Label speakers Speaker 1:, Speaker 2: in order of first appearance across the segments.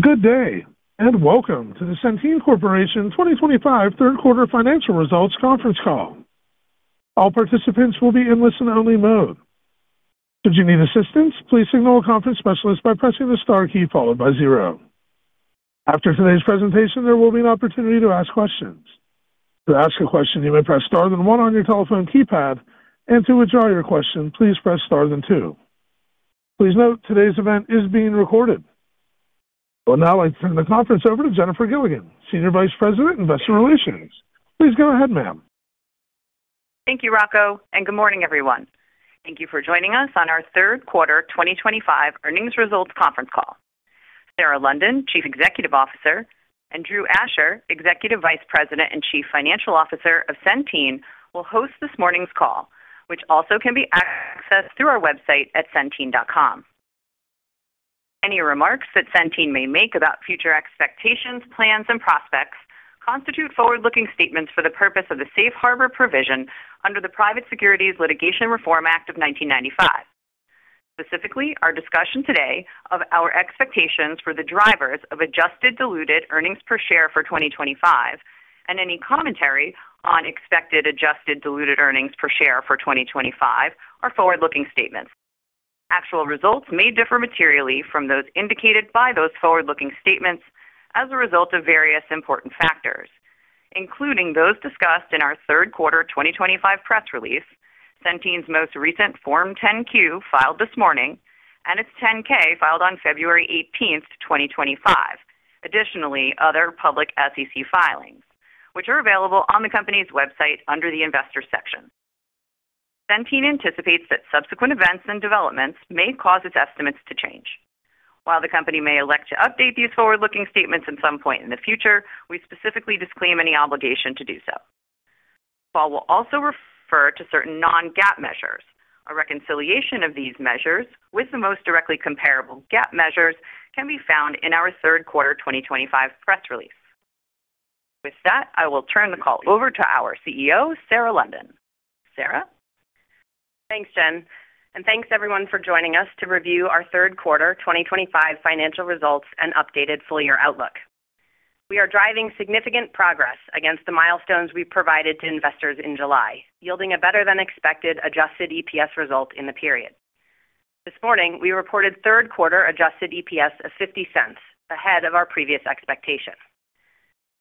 Speaker 1: Good day, and welcome to the Centene Corporation 2025 third quarter financial results conference call. All participants will be in listen-only mode. Should you need assistance, please signal a conference specialist by pressing the star key followed by zero. After today's presentation, there will be an opportunity to ask questions. To ask a question, you may press star then one on your telephone keypad, and to withdraw your question, please press star then two. Please note, today's event is being recorded. I would now like to turn the conference over to Jennifer Gilligan, Senior Vice President, Investor Relations. Please go ahead, ma'am.
Speaker 2: Thank you, Rocco, and good morning, everyone. Thank you for joining us on our third quarter 2025 earnings results conference call. Sarah London, Chief Executive Officer, and Drew Asher, Executive Vice President and Chief Financial Officer of Centene, will host this morning's call, which also can be accessed through our website at Centene.com. Any remarks that Centene may make about future expectations, plans, and prospects constitute forward-looking statements for the purpose of the safe harbor provision under the Private Securities Litigation Reform Act of 1995. Specifically, our discussion today of our expectations for the drivers of adjusted diluted earnings per share for 2025, and any commentary on expected adjusted diluted earnings per share for 2025, are forward-looking statements. Actual results may differ materially from those indicated by those forward-looking statements as a result of various important factors, including those discussed in our third quarter 2025 press release, Centene's most recent Form 10-Q filed this morning, and its 10-K filed on February 18th, 2025. Additionally, other public SEC filings, which are available on the company's website under the Investor section. Centene Corporation anticipates that subsequent events and developments may cause its estimates to change. While the company may elect to update these forward-looking statements at some point in the future, we specifically disclaim any obligation to do so. The call will also refer to certain non-GAAP measures. A reconciliation of these measures with the most directly comparable GAAP measures can be found in our third quarter 2025 press release. With that, I will turn the call over to our CEO, Sarah London. Sarah?
Speaker 3: Thanks, Jen, and thanks everyone for joining us to review our third quarter 2025 financial results and updated full-year outlook. We are driving significant progress against the milestones we provided to investors in July, yielding a better than expected adjusted EPS result in the period. This morning, we reported third quarter adjusted EPS of $0.50 ahead of our previous expectation.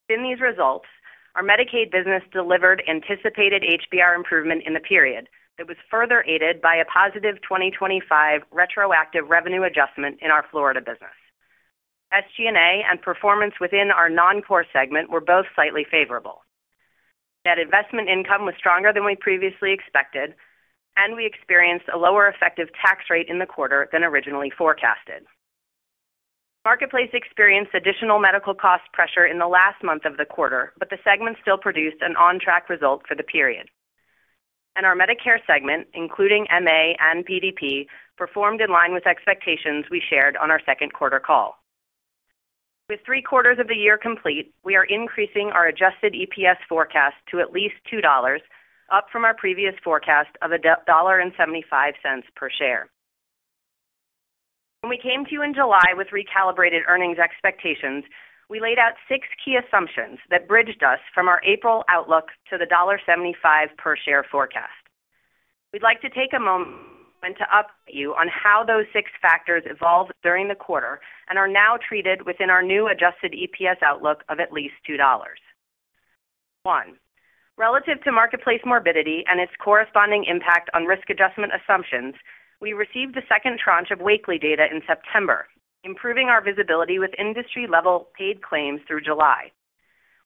Speaker 3: Within these results, our Medicaid business delivered anticipated HBR improvement in the period that was further aided by a positive 2025 retroactive revenue adjustment in our Florida business. SG&A and performance within our non-core segment were both slightly favorable. Net investment income was stronger than we previously expected, and we experienced a lower effective tax rate in the quarter than originally forecasted. Marketplace experienced additional medical cost pressure in the last month of the quarter, but the segment still produced an on-track result for the period. Our Medicare segment, including MA and PDP, performed in line with expectations we shared on our second quarter call. With 3/4 of the year complete, we are increasing our adjusted EPS forecast to at least $2, up from our previous forecast of $1.75 per share. When we came to you in July with recalibrated earnings expectations, we laid out six key assumptions that bridged us from our April outlook to the $1.75 per share forecast. We'd like to take a moment to update you on how those six factors evolved during the quarter and are now treated within our new adjusted EPS outlook of at least $2. One, relative to Marketplace morbidity and its corresponding impact on risk adjustment assumptions, we received the second tranche of Wakely data in September, improving our visibility with industry-level paid claims through July.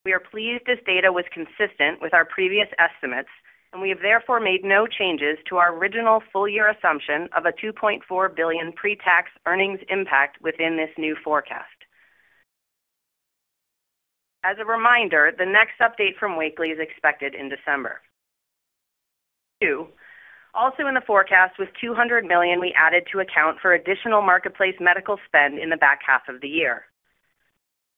Speaker 3: We are pleased this data was consistent with our previous estimates, and we have therefore made no changes to our original full-year assumption of a $2.4 billion pre-tax earnings impact within this new forecast. As a reminder, the next update from Wakely is expected in December. Two, also in the forecast with $200 million, we added to account for additional Marketplace medical spend in the back half of the year.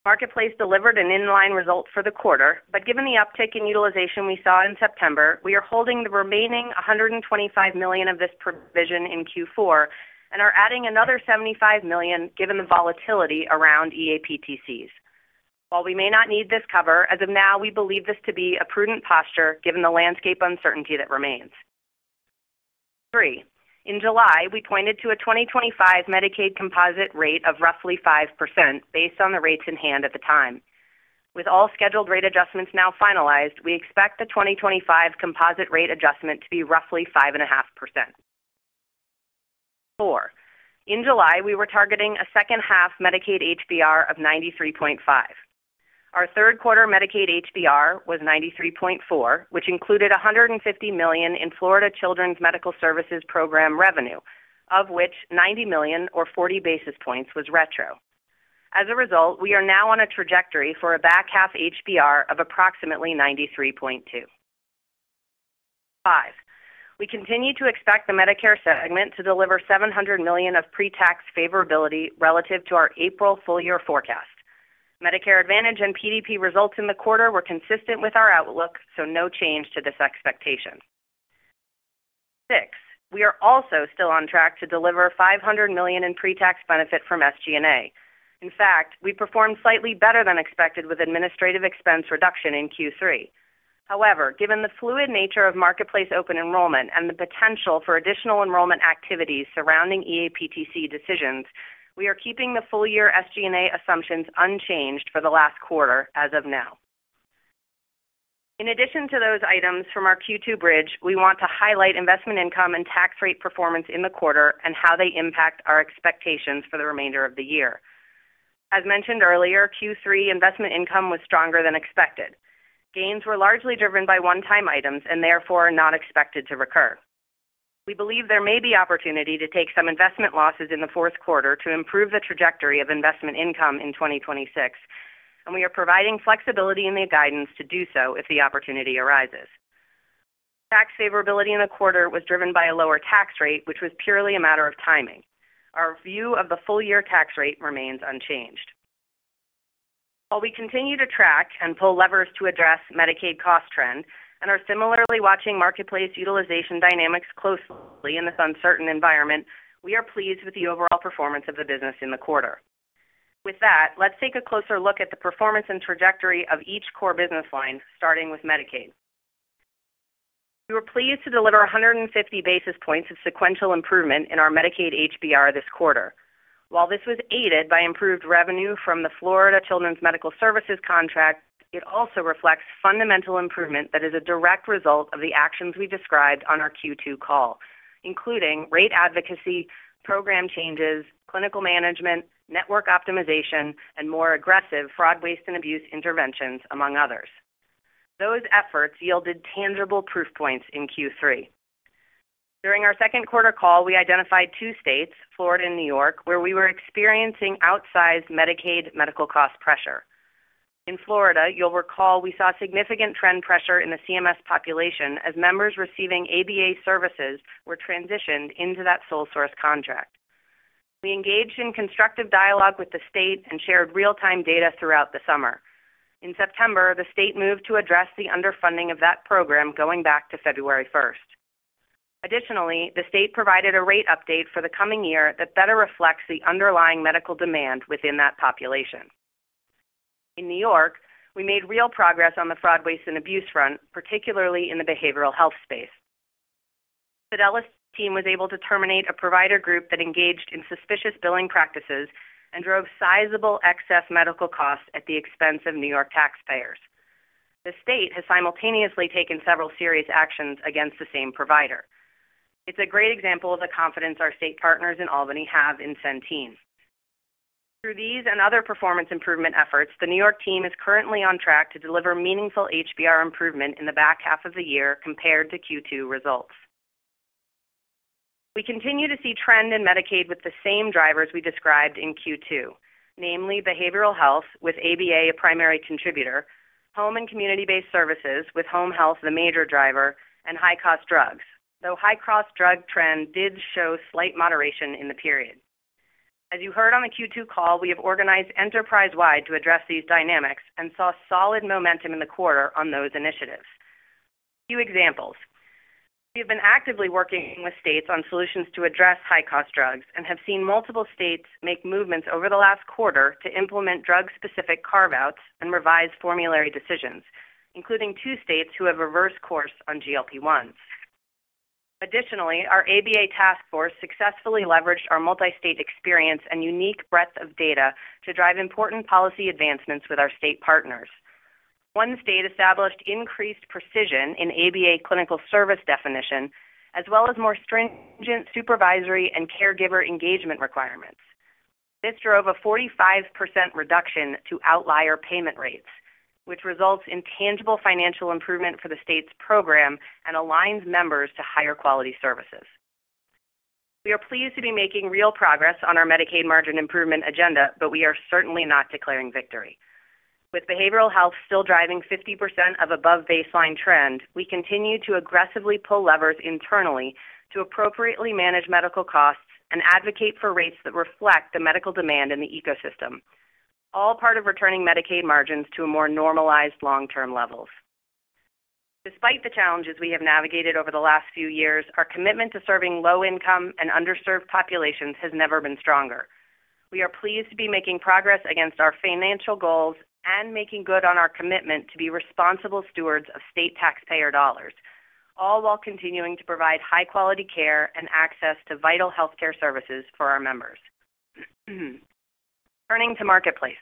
Speaker 3: Marketplace delivered an in-line result for the quarter, but given the uptick in utilization we saw in September, we are holding the remaining $125 million of this provision in Q4 and are adding another $75 million given the volatility around eAPTCs. While we may not need this cover, as of now, we believe this to be a prudent posture given the landscape uncertainty that remains. Three, in July, we pointed to a 2025 Medicaid composite rate of roughly 5% based on the rates in hand at the time. With all scheduled rate adjustments now finalized, we expect the 2025 composite rate adjustment to be roughly 5.5%. Four, in July, we were targeting a second half Medicaid HBR of 93.5. Our third quarter Medicaid HBR was 93.4, which included $150 million in Florida’s Children’s Medical Services program revenue, of which $90 million or 40 basis points was retro. As a result, we are now on a trajectory for a back half HBR of approximately 93.2. Five, we continue to expect the Medicare segment to deliver $700 million of pre-tax favorability relative to our April full-year forecast. Medicare Advantage and PDP results in the quarter were consistent with our outlook, so no change to this expectation. Six, we are also still on track to deliver $500 million in pre-tax benefit from SG&A. In fact, we performed slightly better than expected with administrative expense reduction in Q3. However, given the fluid nature of Marketplace open enrollment and the potential for additional enrollment activities surrounding eAPTC decisions, we are keeping the full-year SG&A assumptions unchanged for the last quarter as of now. In addition to those items from our Q2 bridge, we want to highlight investment income and tax rate performance in the quarter and how they impact our expectations for the remainder of the year. As mentioned earlier, Q3 investment income was stronger than expected. Gains were largely driven by one-time items and therefore are not expected to recur. We believe there may be opportunity to take some investment losses in the fourth quarter to improve the trajectory of investment income in 2026, and we are providing flexibility in the guidance to do so if the opportunity arises. Tax favorability in the quarter was driven by a lower tax rate, which was purely a matter of timing. Our view of the full-year tax rate remains unchanged. While we continue to track and pull levers to address Medicaid cost trend and are similarly watching Marketplace utilization dynamics closely in this uncertain environment, we are pleased with the overall performance of the business in the quarter. With that, let's take a closer look at the performance and trajectory of each core business line, starting with Medicaid. We were pleased to deliver 150 basis points of sequential improvement in our Medicaid HBR this quarter. While this was aided by improved revenue from the Florida’s Children’s Medical Services contract, it also reflects fundamental improvement that is a direct result of the actions we described on our Q2 call, including rate advocacy, program changes, clinical management, network optimization, and more aggressive fraud, waste, and abuse interventions, among others. Those efforts yielded tangible proof points in Q3. During our second quarter call, we identified two states, Florida and New York, where we were experiencing outsized Medicaid medical cost pressure. In Florida, you'll recall we saw significant trend pressure in the CMS population as members receiving ABA services were transitioned into that sole source contract. We engaged in constructive dialogue with the state and shared real-time data throughout the summer. In September, the state moved to address the underfunding of that program, going back to February 1st. Additionally, the state provided a rate update for the coming year that better reflects the underlying medical demand within that population. In New York, we made real progress on the fraud, waste, and abuse front, particularly in the behavioral health space. The Fidelis team was able to terminate a provider group that engaged in suspicious billing practices and drove sizable excess medical costs at the expense of New York taxpayers. The state has simultaneously taken several serious actions against the same provider. It's a great example of the confidence our state partners in Albany have in Centene. Through these and other performance improvement efforts, the New York team is currently on track to deliver meaningful HBR improvement in the back half of the year compared to Q2 results. We continue to see trend in Medicaid with the same drivers we described in Q2, namely behavioral health, with ABA a primary contributor, home and community-based services with home health the major driver, and high-cost drugs, though high-cost drug trend did show slight moderation in the period. As you heard on the Q2 call, we have organized enterprise-wide to address these dynamics and saw solid momentum in the quarter on those initiatives. A few examples. We have been actively working with states on solutions to address high-cost drugs and have seen multiple states make movements over the last quarter to implement drug-specific carve-outs and revise formulary decisions, including two states who have reversed course on GLP-1s. Additionally, our ABA task force successfully leveraged our multi-state experience and unique breadth of data to drive important policy advancements with our state partners. One state established increased precision in ABA clinical service definition, as well as more stringent supervisory and caregiver engagement requirements. This drove a 45% reduction to outlier payment rates, which results in tangible financial improvement for the state's program and aligns members to higher quality services. We are pleased to be making real progress on our Medicaid margin improvement agenda, but we are certainly not declaring victory. With behavioral health still driving 50% of above baseline trend, we continue to aggressively pull levers internally to appropriately manage medical costs and advocate for rates that reflect the medical demand in the ecosystem, all part of returning Medicaid margins to a more normalized long-term levels. Despite the challenges we have navigated over the last few years, our commitment to serving low-income and underserved populations has never been stronger. We are pleased to be making progress against our financial goals and making good on our commitment to be responsible stewards of state taxpayer dollars, all while continuing to provide high-quality care and access to vital healthcare services for our members. Turning to Marketplace.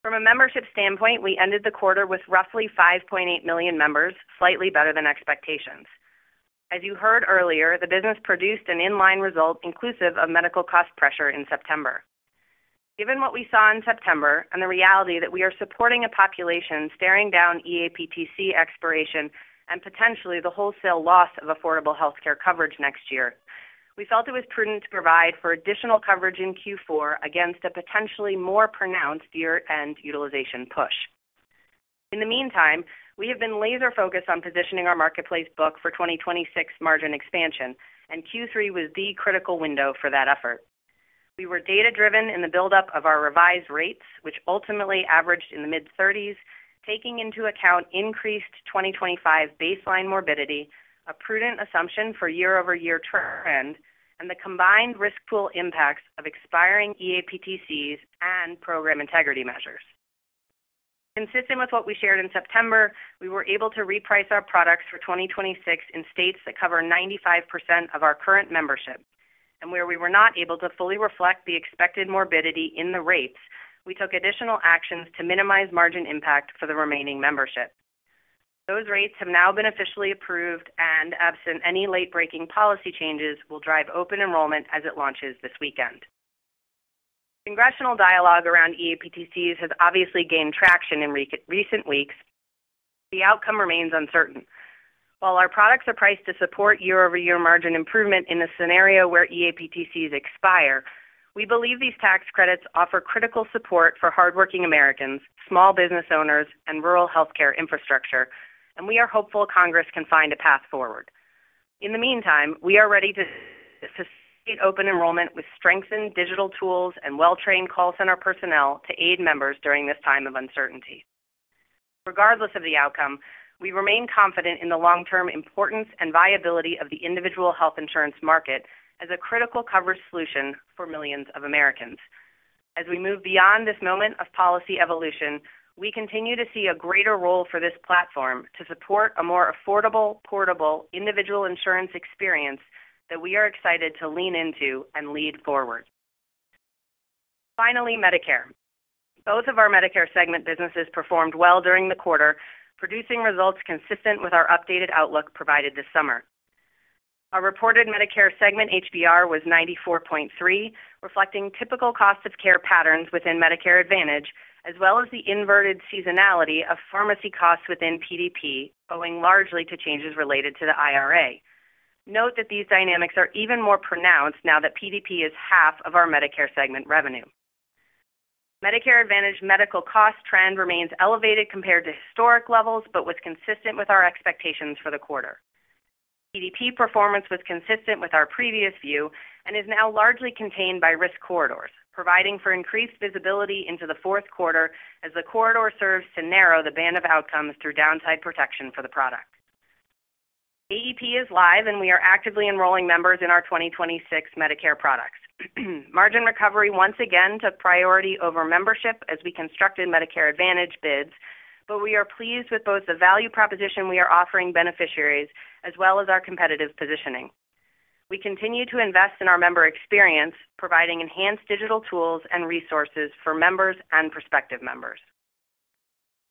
Speaker 3: From a membership standpoint, we ended the quarter with roughly 5.8 million members, slightly better than expectations. As you heard earlier, the business produced an in-line result inclusive of medical cost pressure in September. Given what we saw in September and the reality that we are supporting a population staring down eAPTC expiration and potentially the wholesale loss of affordable healthcare coverage next year, we felt it was prudent to provide for additional coverage in Q4 against a potentially more pronounced year-end utilization push. In the meantime, we have been laser-focused on positioning our Marketplace book for 2026 margin expansion, and Q3 was the critical window for that effort. We were data-driven in the buildup of our revised rates, which ultimately averaged in the mid-30%, taking into account increased 2025 baseline morbidity, a prudent assumption for year-over-year trend, and the combined risk pool impacts of expiring eAPTCs and program integrity measures. Consistent with what we shared in September, we were able to reprice our products for 2026 in states that cover 95% of our current membership. Where we were not able to fully reflect the expected morbidity in the rates, we took additional actions to minimize margin impact for the remaining membership. Those rates have now been officially approved, and absent any late-breaking policy changes, we'll drive open enrollment as it launches this weekend. Congressional dialogue around eAPTCs has obviously gained traction in recent weeks, but the outcome remains uncertain. While our products are priced to support year-over-year margin improvement in a scenario where eAPTCs expire, we believe these tax credits offer critical support for hardworking Americans, small business owners, and rural healthcare infrastructure, and we are hopeful Congress can find a path forward. In the meantime, we are ready to facilitate open enrollment with strengthened digital tools and well-trained call center personnel to aid members during this time of uncertainty. Regardless of the outcome, we remain confident in the long-term importance and viability of the individual health insurance market as a critical coverage solution for millions of Americans. As we move beyond this moment of policy evolution, we continue to see a greater role for this platform to support a more affordable, portable individual insurance experience that we are excited to lean into and lead forward. Finally, Medicare. Both of our Medicare segment businesses performed well during the quarter, producing results consistent with our updated outlook provided this summer. Our reported Medicare segment HBR was 94.3%, reflecting typical cost of care patterns within Medicare Advantage, as well as the inverted seasonality of pharmacy costs within PDP, owing largely to changes related to the IRA. Note that these dynamics are even more pronounced now that PDP is half of our Medicare segment revenue. Medicare Advantage medical cost trend remains elevated compared to historic levels, but was consistent with our expectations for the quarter. PDP performance was consistent with our previous view and is now largely contained by risk corridors, providing for increased visibility into the fourth quarter as the corridor serves to narrow the band of outcomes through downside protection for the product. AEP is live, and we are actively enrolling members in our 2026 Medicare products. Margin recovery once again took priority over membership as we constructed Medicare Advantage bids, but we are pleased with both the value proposition we are offering beneficiaries as well as our competitive positioning. We continue to invest in our member experience, providing enhanced digital tools and resources for members and prospective members.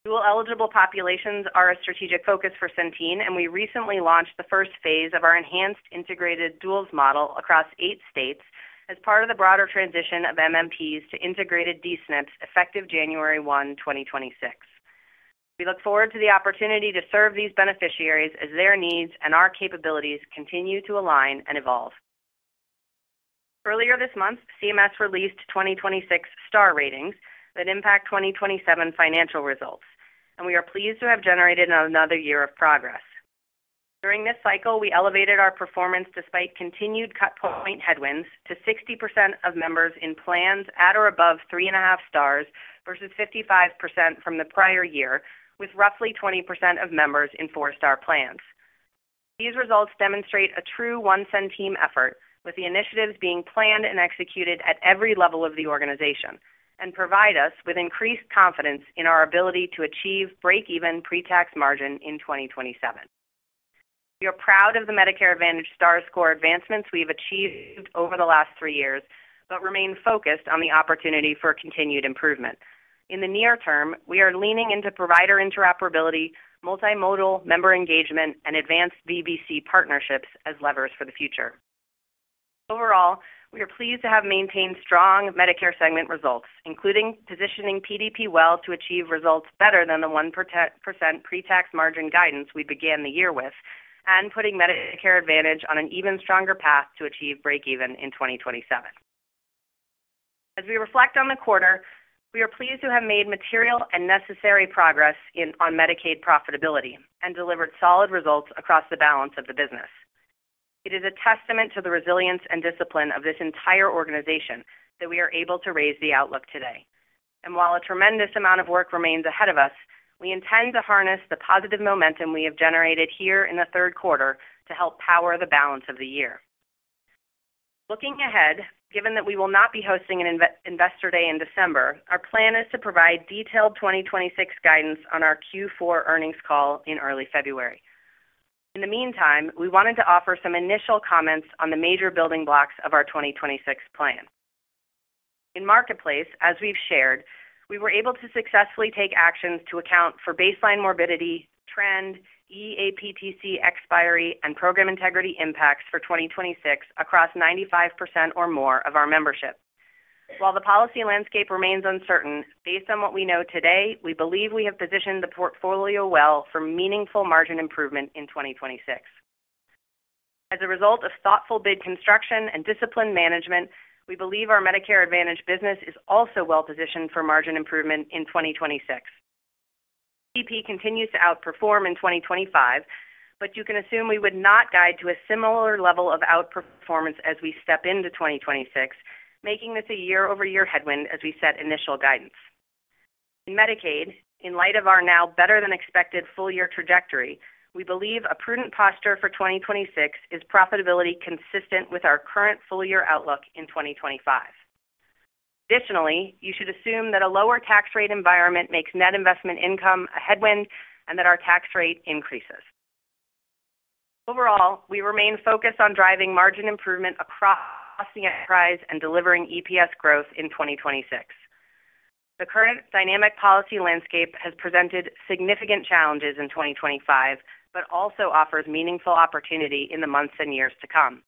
Speaker 3: Dual eligible populations are a strategic focus for Centene, and we recently launched the first phase of our enhanced integrated duals model across eight states as part of the broader transition of MMPs to integrated D-SNPs effective January 1, 2026. We look forward to the opportunity to serve these beneficiaries as their needs and our capabilities continue to align and evolve. Earlier this month, CMS released 2026 Star ratings that impact 2027 financial results, and we are pleased to have generated another year of progress. During this cycle, we elevated our performance despite continued cutpoint headwinds to 60% of members in plans at or above three and a half stars versus 55% from the prior year, with roughly 20% of members in four-star plans. These results demonstrate a true Centene team effort, with the initiatives being planned and executed at every level of the organization and provide us with increased confidence in our ability to achieve break-even pre-tax margin in 2027. We are proud of the Medicare Advantage Star score advancements we've achieved over the last three years, but remain focused on the opportunity for continued improvement. In the near term, we are leaning into provider interoperability, multimodal member engagement, and advanced VBC partnerships as levers for the future. Overall, we are pleased to have maintained strong Medicare segment results, including positioning PDP well to achieve results better than the 1% pre-tax margin guidance we began the year with and putting Medicare Advantage on an even stronger path to achieve break-even in 2027. As we reflect on the quarter, we are pleased to have made material and necessary progress on Medicaid profitability and delivered solid results across the balance of the business. It is a testament to the resilience and discipline of this entire organization that we are able to raise the outlook today. While a tremendous amount of work remains ahead of us, we intend to harness the positive momentum we have generated here in the third quarter to help power the balance of the year. Looking ahead, given that we will not be hosting an Investor Day in December, our plan is to provide detailed 2026 guidance on our Q4 earnings call in early February. In the meantime, we wanted to offer some initial comments on the major building blocks of our 2026 plan. In Marketplace, as we've shared, we were able to successfully take actions to account for baseline morbidity, trend, eAPTC expiry, and program integrity impacts for 2026 across 95% or more of our membership. While the policy landscape remains uncertain, based on what we know today, we believe we have positioned the portfolio well for meaningful margin improvement in 2026. As a result of thoughtful bid construction and disciplined management, we believe our Medicare Advantage business is also well positioned for margin improvement in 2026. PDP continues to outperform in 2025, but you can assume we would not guide to a similar level of outperformance as we step into 2026, making this a year-over-year headwind as we set initial guidance. In Medicaid, in light of our now better-than-expected full-year trajectory, we believe a prudent posture for 2026 is profitability consistent with our current full-year outlook in 2025. Additionally, you should assume that a lower tax rate environment makes net investment income a headwind and that our tax rate increases. Overall, we remain focused on driving margin improvement across the enterprise and delivering EPS growth in 2026. The current dynamic policy landscape has presented significant challenges in 2025, but also offers meaningful opportunity in the months and years to come.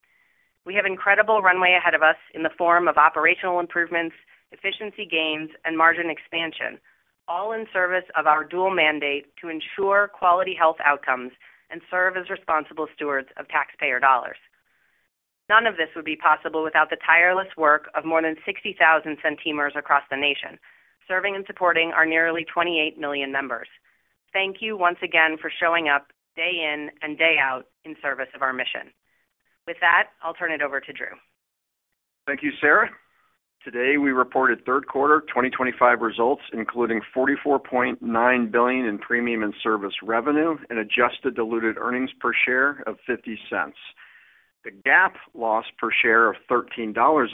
Speaker 3: We have incredible runway ahead of us in the form of operational improvements, efficiency gains, and margin expansion, all in service of our dual mandate to ensure quality health outcomes and serve as responsible stewards of taxpayer dollars. None of this would be possible without the tireless work of more than 60,000 Centeners across the nation, serving and supporting our nearly 28 million members. Thank you once again for showing up day in and day out in service of our mission. With that, I'll turn it over to Drew.
Speaker 4: Thank you, Sarah. Today, we reported third quarter 2025 results, including $44.9 billion in premium and service revenue and adjusted diluted earnings per share of $0.50. The GAAP loss per share of $13.50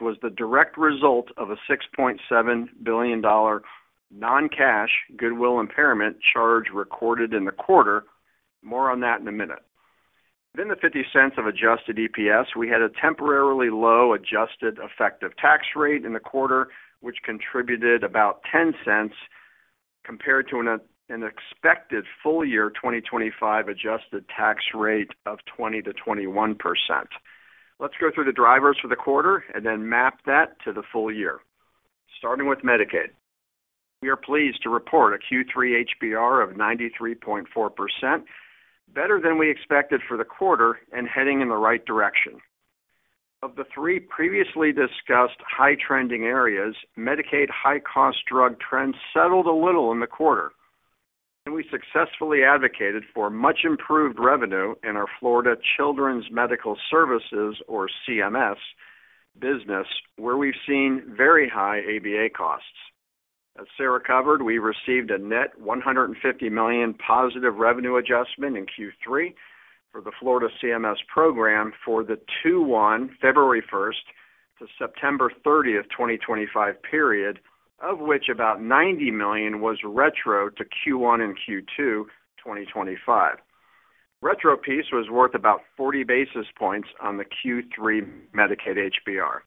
Speaker 4: was the direct result of a $6.7 billion non-cash goodwill impairment charge recorded in the quarter. More on that in a minute. Within the $0.50 of adjusted EPS, we had a temporarily low adjusted effective tax rate in the quarter, which contributed about $0.10 compared to an expected full-year 2025 adjusted tax rate of 20% to 21%. Let's go through the drivers for the quarter and then map that to the full year. Starting with Medicaid, we are pleased to report a Q3 HBR of 93.4%, better than we expected for the quarter and heading in the right direction. Of the three previously discussed high-trending areas, Medicaid high-cost drug trends settled a little in the quarter. We successfully advocated for much-improved revenue in our Florida’s Children’s Medical Services, or CMS, business, where we've seen very high ABA costs. As Sarah covered, we received a net $150 million positive revenue adjustment in Q3 for the Florida CMS program for the Q1, February 1st to September 30th, 2025 period, of which about $90 million was retro to Q1 and Q2 2025. The retro piece was worth about 40 basis points on the Q3 Medicaid HBR.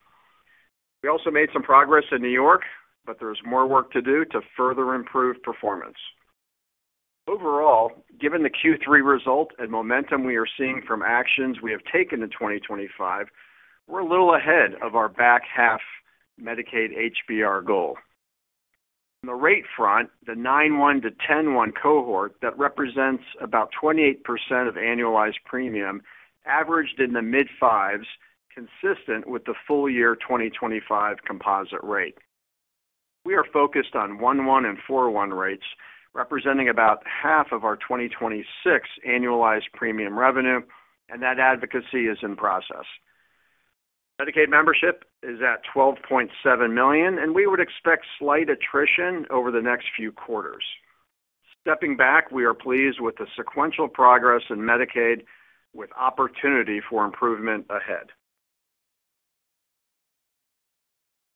Speaker 4: We also made some progress in New York, but there's more work to do to further improve performance. Overall, given the Q3 result and momentum we are seeing from actions we have taken in 2025, we're a little ahead of our back half Medicaid HBR goal. On the rate front, the 9-1 to 10-1 cohort that represents about 28% of annualized premium averaged in the mid-fives, consistent with the full-year 2025 composite rate. We are focused on 1-1 and 4-1 rates, representing about half of our 2026 annualized premium revenue, and that advocacy is in process. Medicaid membership is at 12.7 million, and we would expect slight attrition over the next few quarters. Stepping back, we are pleased with the sequential progress in Medicaid with opportunity for improvement ahead.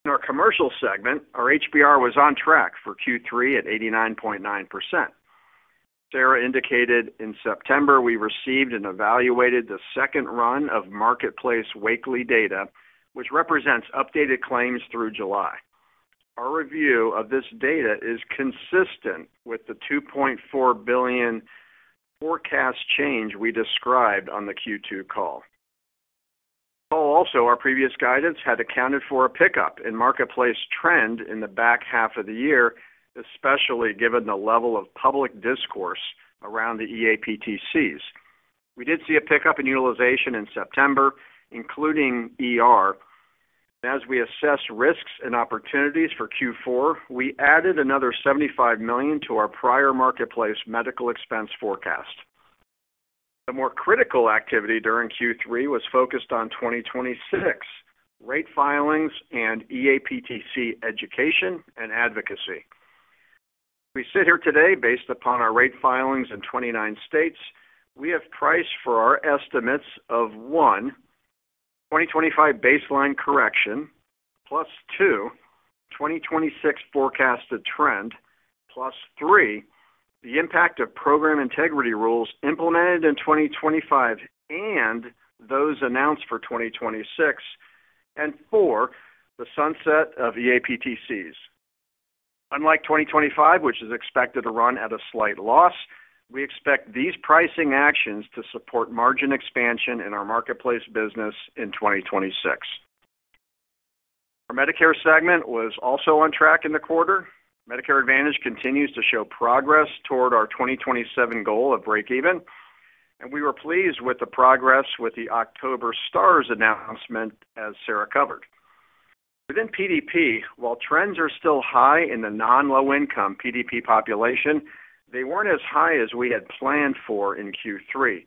Speaker 4: In our commercial segment, our HBR was on track for Q3 at 89.9%. Sarah indicated in September we received and evaluated the second run of Marketplace Wakely data, which represents updated claims through July. Our review of this data is consistent with the $2.4 billion forecast change we described on the Q2 call. Also, our previous guidance had accounted for a pickup in Marketplace trend in the back half of the year, especially given the level of public discourse around the eAPTCs. We did see a pickup in utilization in September, including as we assessed risks and opportunities for Q4, we added another $75 million to our prior Marketplace medical expense forecast. The more critical activity during Q3 was focused on 2026 rate filings and eAPTC education and advocacy. We sit here today based upon our rate filings in 29 states. We have priced for our estimates of one, 2025 baseline correction, plus two, 2026 forecasted trend, plus three, the impact of program integrity rules implemented in 2025 and those announced for 2026, and four, the sunset of eAPTCs. Unlike 2025, which is expected to run at a slight loss, we expect these pricing actions to support margin expansion in our Marketplace business in 2026. Our Medicare segment was also on track in the quarter. Medicare Advantage continues to show progress toward our 2027 goal of break-even, and we were pleased with the progress with the October Stars announcement, as Sarah covered. Within PDP, while trends are still high in the non-low-income PDP population, they weren't as high as we had planned for in Q3.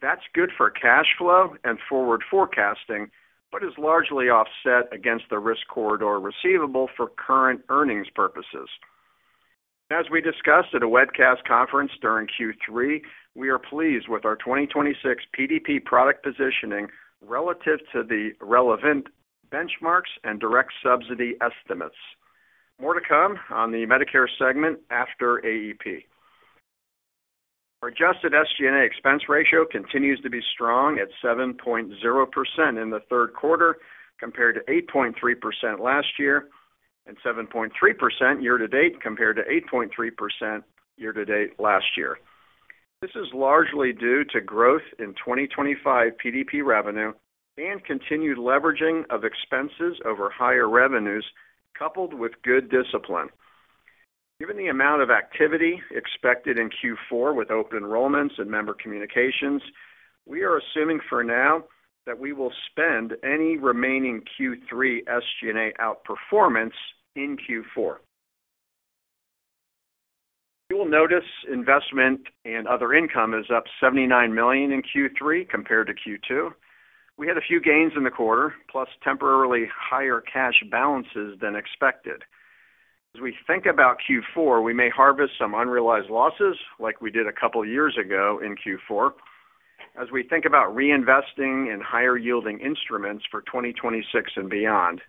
Speaker 4: That's good for cash flow and forward forecasting, but is largely offset against the risk corridor receivable for current earnings purposes. As we discussed at a webcast conference during Q3, we are pleased with our 2026 PDP product positioning relative to the relevant benchmarks and direct subsidy estimates. More to come on the Medicare segment after AEP. Our adjusted SG&A expense ratio continues to be strong at 7.0% in the third quarter compared to 8.3% last year and 7.3% year-to-date compared to 8.3% year-to-date last year. This is largely due to growth in 2025 PDP revenue and continued leveraging of expenses over higher revenues, coupled with good discipline. Given the amount of activity expected in Q4 with open enrollments and member communications, we are assuming for now that we will spend any remaining Q3 SG&A outperformance in Q4. You will notice investment and other income is up $79 million in Q3 compared to Q2. We had a few gains in the quarter, plus temporarily higher cash balances than expected. As we think about Q4, we may harvest some unrealized losses like we did a couple of years ago in Q4 as we think about reinvesting in higher yielding instruments for 2026 and beyond.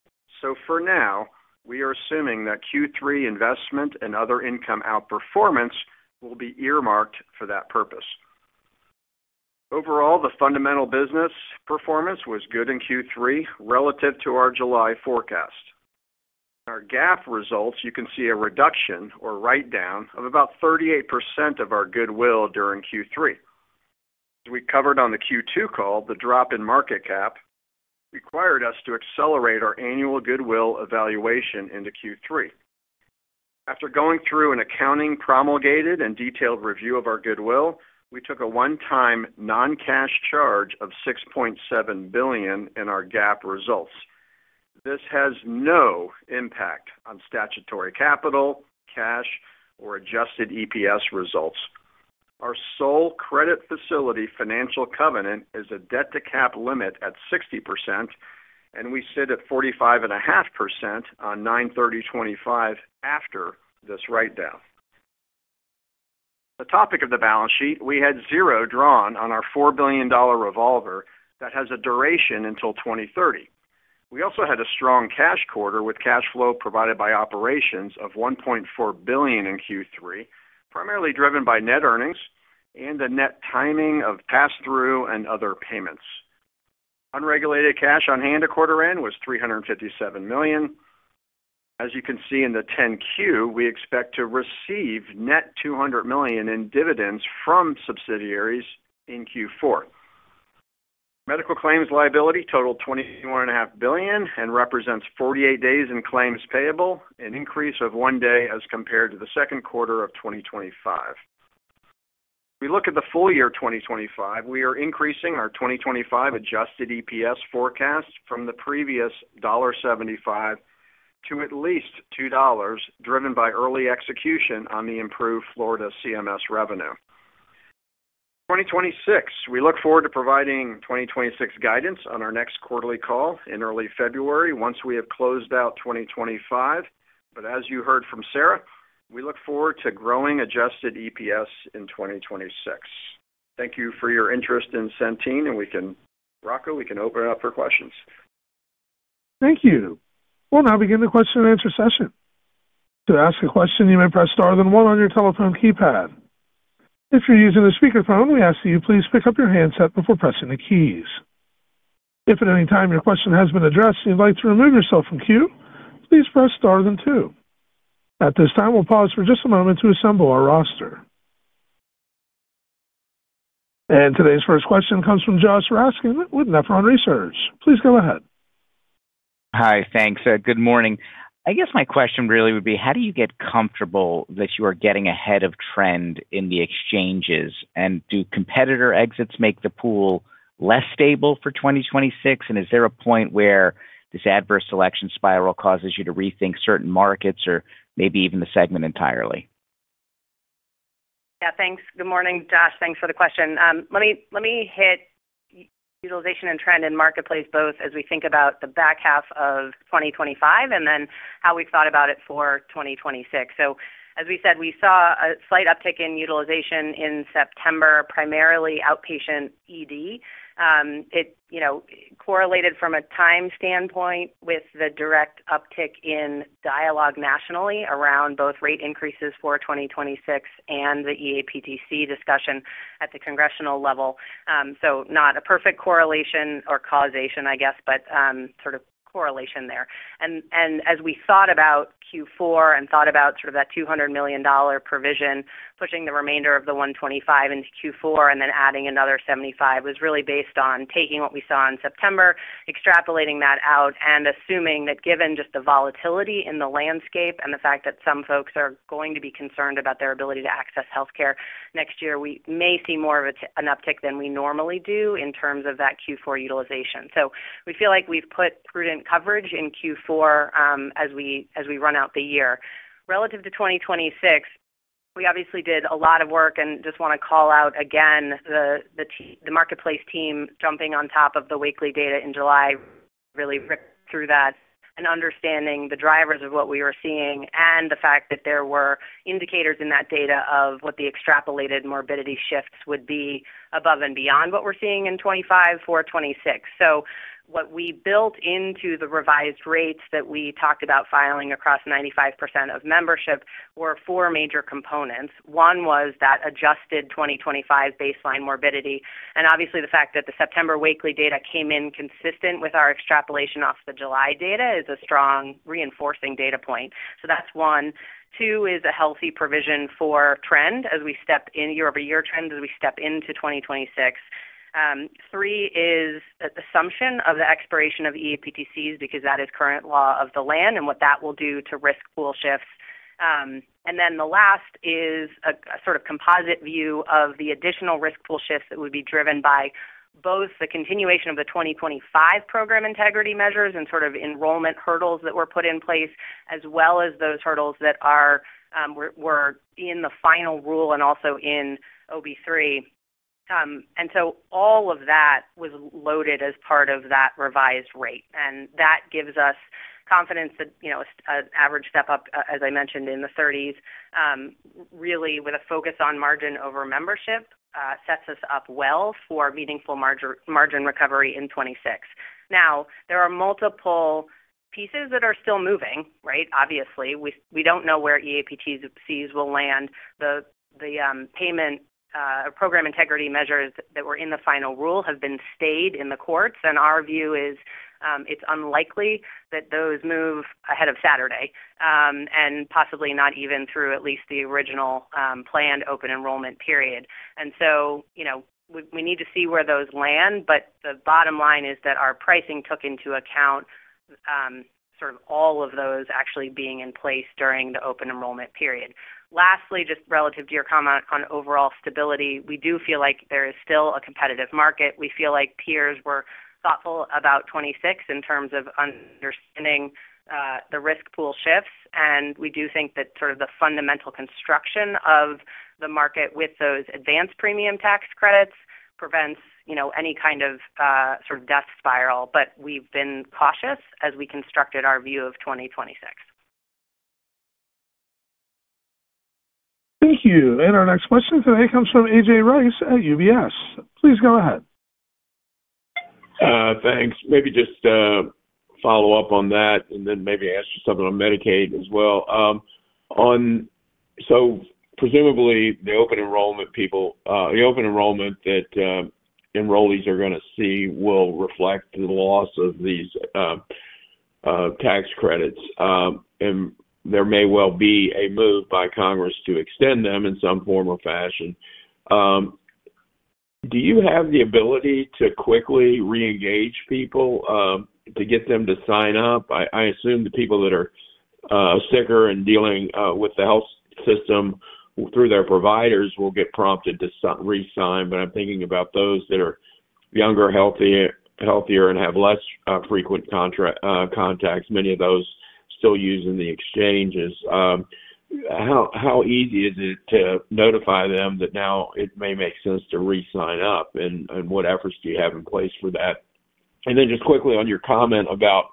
Speaker 4: For now, we are assuming that Q3 investment and other income outperformance will be earmarked for that purpose. Overall, the fundamental business performance was good in Q3 relative to our July forecast. In our GAAP results, you can see a reduction or write-down of about 38% of our goodwill during Q3. As we covered on the Q2 call, the drop in market cap required us to accelerate our annual goodwill evaluation into Q3. After going through an accounting promulgated and detailed review of our goodwill, we took a one-time non-cash charge of $6.7 billion in our GAAP results. This has no impact on statutory capital, cash, or adjusted EPS results. Our sole credit facility financial covenant is a debt-to-cap limit at 60%, and we sit at 45.5% on 9/30/25 after this write-down. On the topic of the balance sheet, we had zero drawn on our $4 billion revolver that has a duration until 2030. We also had a strong cash quarter with cash flow provided by operations of $1.4 billion in Q3, primarily driven by net earnings and the net timing of pass-through and other payments. Unregulated cash on hand at quarter end was $357 million. As you can see in the 10-Q, we expect to receive net $200 million in dividends from subsidiaries in Q4. Medical claims liability totaled $21.5 billion and represents 48 days in claims payable, an increase of one day as compared to the second quarter of 2025. If we look at the full year 2025, we are increasing our 2025 adjusted EPS forecast from the previous $1.75 to at least $2, driven by early execution on the improved Florida’s CMS revenue. For 2026, we look forward to providing 2026 guidance on our next quarterly call in early February once we have closed out 2025. As you heard from Sarah, we look forward to growing adjusted EPS in 2026. Thank you for your interest in Centene, and Rocco, we can open it up for questions.
Speaker 1: Thank you. We'll now begin the question and answer session. To ask a question, you may press star then one on your telephone keypad. If you're using a speakerphone, we ask that you please pick up your handset before pressing the keys. If at any time your question has been addressed and you'd like to remove yourself from queue, please press star then two. At this time, we'll pause for just a moment to assemble our roster. Today's first question comes from Josh Raskin with Nephron Research. Please go ahead.
Speaker 5: Hi, thanks. Good morning. I guess my question really would be, how do you get comfortable that you are getting ahead of trend in the Marketplace? Do competitor exits make the pool less stable for 2026? Is there a point where this adverse selection spiral causes you to rethink certain markets or maybe even the segment entirely?
Speaker 3: Yeah, thanks. Good morning, Josh. Thanks for the question. Let me hit utilization and trend in Marketplace both as we think about the back half of 2025 and then how we've thought about it for 2026. As we said, we saw a slight uptick in utilization in September, primarily outpatient ED. It correlated from a time standpoint with the direct uptick in dialogue nationally around both rate increases for 2026 and the eAPTC discussion at the congressional level. Not a perfect correlation or causation, I guess, but sort of correlation there. As we thought about Q4 and thought about that $200 million provision pushing the remainder of the $125 million into Q4 and then adding another $75 million, it was really based on taking what we saw in September, extrapolating that out, and assuming that given just the volatility in the landscape and the fact that some folks are going to be concerned about their ability to access healthcare next year, we may see more of an uptick than we normally do in terms of that Q4 utilization. We feel like we've put prudent coverage in Q4 as we run out the year. Relative to 2026, we obviously did a lot of work and just want to call out again the Marketplace team jumping on top of the Wakely data in July, really ripped through that and understanding the drivers of what we were seeing and the fact that there were indicators in that data of what the extrapolated morbidity shifts would be above and beyond what we're seeing in 2025 for 2026. What we built into the revised rates that we talked about filing across 95% of membership were four major components. One was that adjusted 2025 baseline morbidity. The fact that the September Wakely data came in consistent with our extrapolation off the July data is a strong reinforcing data point. That's one. Two is a healthy provision for trend as we step in year-over-year trends as we step into 2026. Three is the assumption of the expiration of eAPTCs because that is current law of the land and what that will do to risk pool shifts. The last is a sort of composite view of the additional risk pool shifts that would be driven by both the continuation of the 2025 program integrity measures and enrollment hurdles that were put in place, as well as those hurdles that were in the final rule and also in OB-3. All of that was loaded as part of that revised rate. That gives us confidence that an average step up, as I mentioned, in the 30s, really with a focus on margin over membership, sets us up well for meaningful margin recovery in 2026. There are multiple pieces that are still moving, right? Obviously, we don't know where eAPTCs will land. The payment program integrity measures that were in the final rule have been stayed in the courts, and our view is it's unlikely that those move ahead of Saturday and possibly not even through at least the original planned open enrollment period. We need to see where those land, but the bottom line is that our pricing took into account sort of all of those actually being in place during the open enrollment period. Lastly, just relative to your comment on overall stability, we do feel like there is still a competitive market. We feel like peers were thoughtful about 2026 in terms of understanding the risk pool shifts. We do think that sort of the fundamental construction of the market with those advanced premium tax credits prevents any kind of sort of death spiral. We've been cautious as we constructed our view of 2026.
Speaker 1: Thank you. Our next question today comes from AJ Rice at UBS. Please go ahead.
Speaker 6: Thanks. Maybe just follow up on that and then maybe answer something on Medicaid as well. Presumably, the open enrollment people, the open enrollment that enrollees are going to see will reflect the loss of these tax credits. There may well be a move by Congress to extend them in some form or fashion. Do you have the ability to quickly re-engage people to get them to sign up? I assume the people that are sicker and dealing with the health system through their providers will get prompted to resign. I'm thinking about those that are younger, healthier, and have less frequent contacts, many of those still using the exchanges. How easy is it to notify them that now it may make sense to resign up? What efforts do you have in place for that? Quickly, on your comment about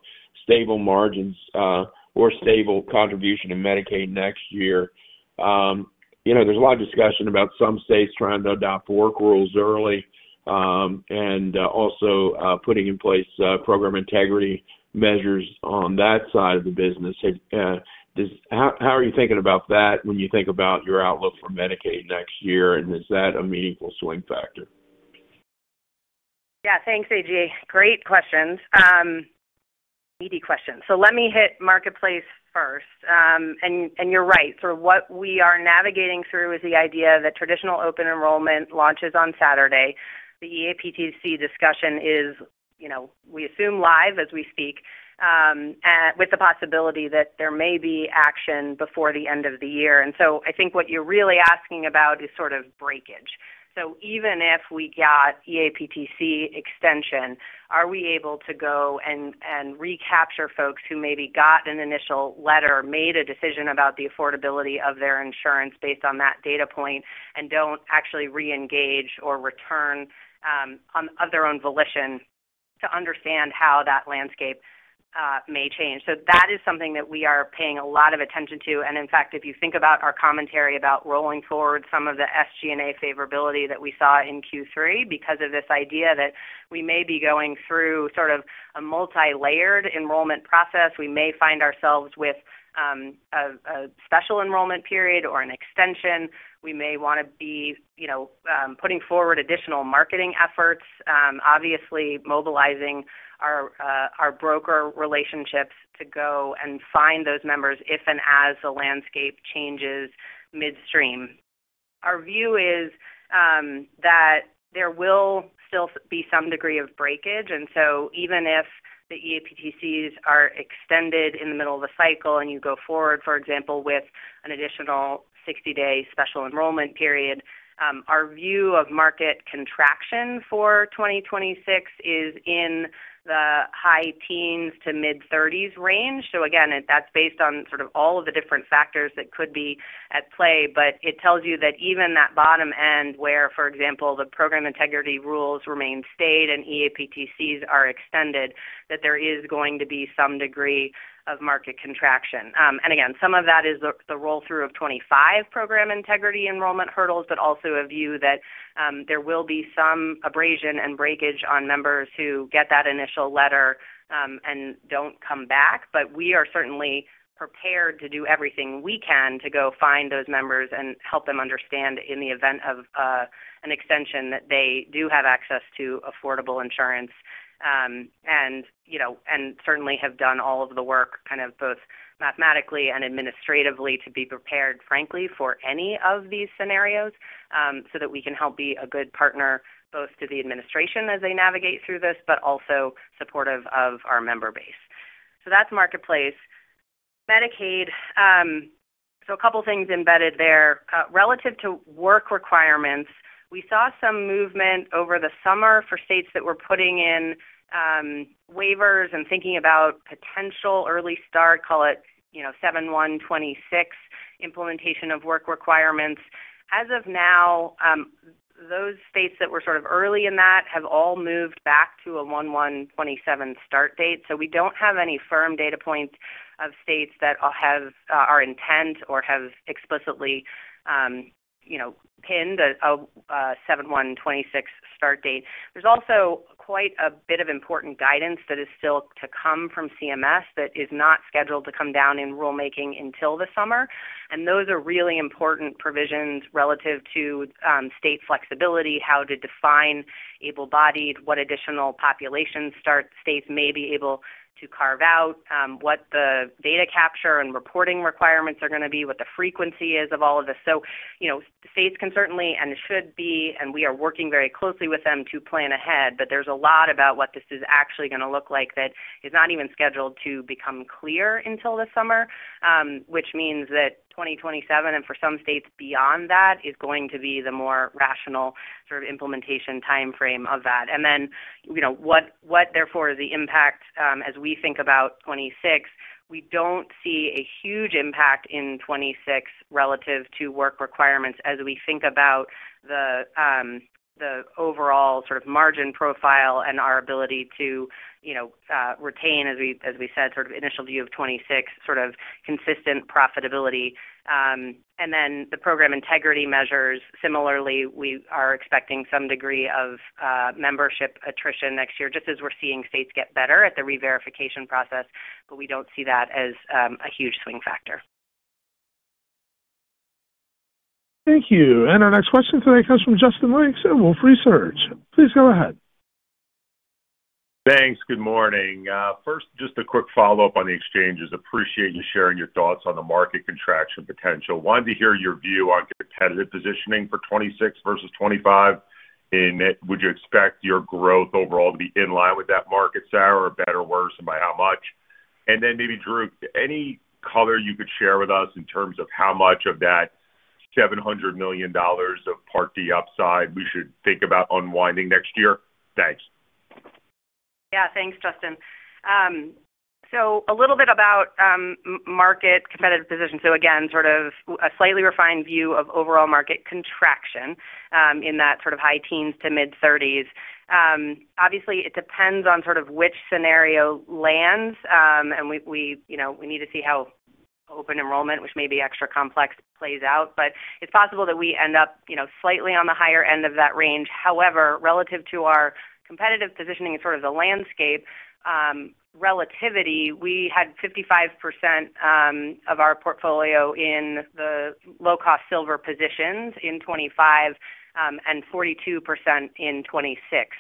Speaker 6: stable margins or stable contribution in Medicaid next year, you know there's a lot of discussion about some states trying to adopt work rules early and also putting in place program integrity measures on that side of the business. How are you thinking about that when you think about your outlook for Medicaid next year? Is that a meaningful swing factor?
Speaker 3: Yeah, thanks, AJ. Great questions. Easy question. Let me hit Marketplace first. You're right. What we are navigating through is the idea that traditional open enrollment launches on Saturday. The eAPTC discussion is, you know, we assume live as we speak, with the possibility that there may be action before the end of the year. I think what you're really asking about is sort of breakage. Even if we got eAPTC extension, are we able to go and recapture folks who maybe got an initial letter, made a decision about the affordability of their insurance based on that data point, and don't actually re-engage or return of their own volition to understand how that landscape may change? That is something that we are paying a lot of attention to. In fact, if you think about our commentary about rolling forward some of the SG&A favorability that we saw in Q3 because of this idea that we may be going through sort of a multi-layered enrollment process, we may find ourselves with a special enrollment period or an extension. We may want to be putting forward additional marketing efforts, obviously mobilizing our broker relationships to go and find those members if and as the landscape changes midstream. Our view is that there will still be some degree of breakage. Even if the eAPTCs are extended in the middle of a cycle and you go forward, for example, with an additional 60-day special enrollment period, our view of market contraction for 2026 is in the high teens to mid-30s range. That's based on all of the different factors that could be at play. It tells you that even that bottom end where, for example, the program integrity rules remain stayed and eAPTCs are extended, there is going to be some degree of market contraction. Some of that is the roll-through of 2025 program integrity enrollment hurdles, but also a view that there will be some abrasion and breakage on members who get that initial letter and don't come back. We are certainly prepared to do everything we can to go find those members and help them understand in the event of an extension that they do have access to affordable insurance. We certainly have done all of the work both mathematically and administratively to be prepared, frankly, for any of these scenarios so that we can help be a good partner both to the administration as they navigate through this, but also supportive of our member base. That's Marketplace. Medicaid, a couple of things embedded there. Relative to work requirements, we saw some movement over the summer for states that were putting in waivers and thinking about potential early start, call it 7/1/2026 implementation of work requirements. As of now, those states that were sort of early in that have all moved back to a 1/1/2027 start date. We don't have any firm data points of states that have our intent or have explicitly pinned a 7/1/2026 start date. There is also quite a bit of important guidance that is still to come from CMS that is not scheduled to come down in rulemaking until the summer. Those are really important provisions relative to state flexibility, how to define able-bodied, what additional population states may be able to carve out, what the data capture and reporting requirements are going to be, what the frequency is of all of this. States can certainly and should be, and we are working very closely with them to plan ahead. There is a lot about what this is actually going to look like that is not even scheduled to become clear until the summer, which means that 2027 and for some states beyond that is going to be the more rational sort of implementation timeframe of that. What therefore is the impact as we think about 2026? We don't see a huge impact in 2026 relative to work requirements as we think about the overall sort of margin profile and our ability to retain, as we said, sort of initial view of 2026 sort of consistent profitability. The program integrity measures, similarly, we are expecting some degree of membership attrition next year, just as we're seeing states get better at the re-verification process. We don't see that as a huge swing factor.
Speaker 1: Thank you. Our next question today comes from Justin Lake at Wolfe Research. Please go ahead.
Speaker 7: Thanks. Good morning. First, just a quick follow-up on the exchanges. Appreciate you sharing your thoughts on the market contraction potential. Wanted to hear your view on competitive positioning for 2026 versus 2025. Would you expect your growth overall to be in line with that market, Sarah, or better or worse, and by how much? Maybe, Drew, any color you could share with us in terms of how much of that $700 million of Part D upside we should think about unwinding next year? Thanks.
Speaker 3: Yeah, thanks, Justin. A little bit about market competitive position. Again, sort of a slightly refined view of overall market contraction in that high teens to mid-30s range. Obviously, it depends on which scenario lands, and we need to see how open enrollment, which may be extra complex, plays out. It's possible that we end up slightly on the higher end of that range. However, relative to our competitive positioning and the landscape relativity, we had 55% of our portfolio in the low-cost silver positions in 2025 and 42% in 2026.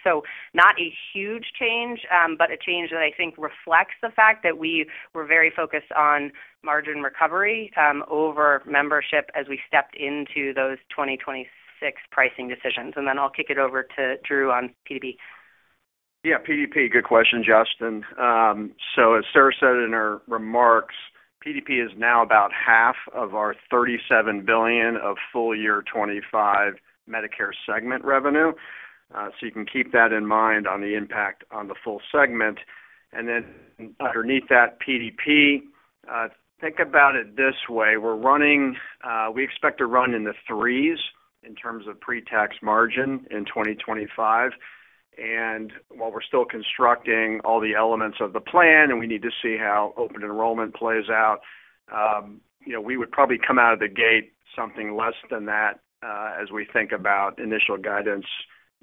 Speaker 3: Not a huge change, but a change that I think reflects the fact that we were very focused on margin recovery over membership as we stepped into those 2026 pricing decisions. I'll kick it over to Drew on PDP.
Speaker 4: Yeah, PDP, good question, Justin. As Sarah said in her remarks, PDP is now about half of our $37 billion of full-year 2025 Medicare segment revenue. You can keep that in mind on the impact on the full segment. Underneath that PDP, think about it this way. We're running, we expect to run in the threes in terms of pre-tax margin in 2025. While we're still constructing all the elements of the plan and we need to see how open enrollment plays out, you know we would probably come out of the gate something less than that as we think about initial guidance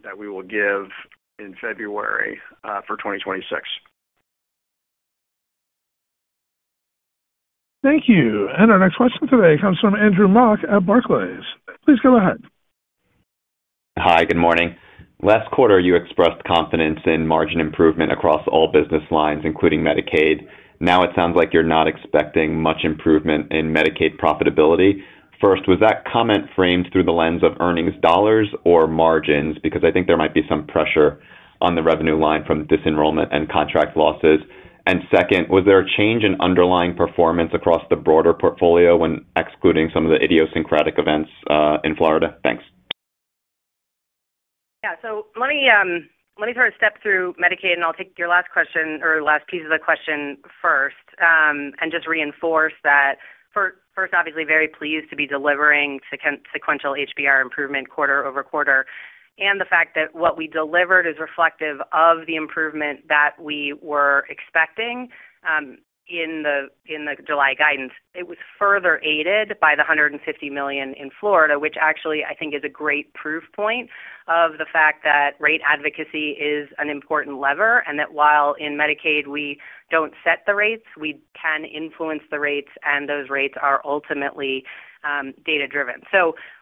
Speaker 4: that we will give in February for 2026.
Speaker 1: Thank you. Our next question today comes from Andrew Mok at Barclays. Please go ahead.
Speaker 8: Hi, good morning. Last quarter, you expressed confidence in margin improvement across all business lines, including Medicaid. Now it sounds like you're not expecting much improvement in Medicaid profitability. First, was that comment framed through the lens of earnings dollars or margins? I think there might be some pressure on the revenue line from disenrollment and contract losses. Second, was there a change in underlying performance across the broader portfolio when excluding some of the idiosyncratic events in Florida? Thanks.
Speaker 3: Yeah, let me sort of step through Medicaid. I'll take your last question or last piece of the question first and just reinforce that. First, obviously very pleased to be delivering sequential HBR improvement quarter-over-quarter. The fact that what we delivered is reflective of the improvement that we were expecting in the July guidance. It was further aided by the $150 million in Florida, which actually I think is a great proof point of the fact that rate advocacy is an important lever. While in Medicaid we don't set the rates, we can influence the rates and those rates are ultimately data-driven.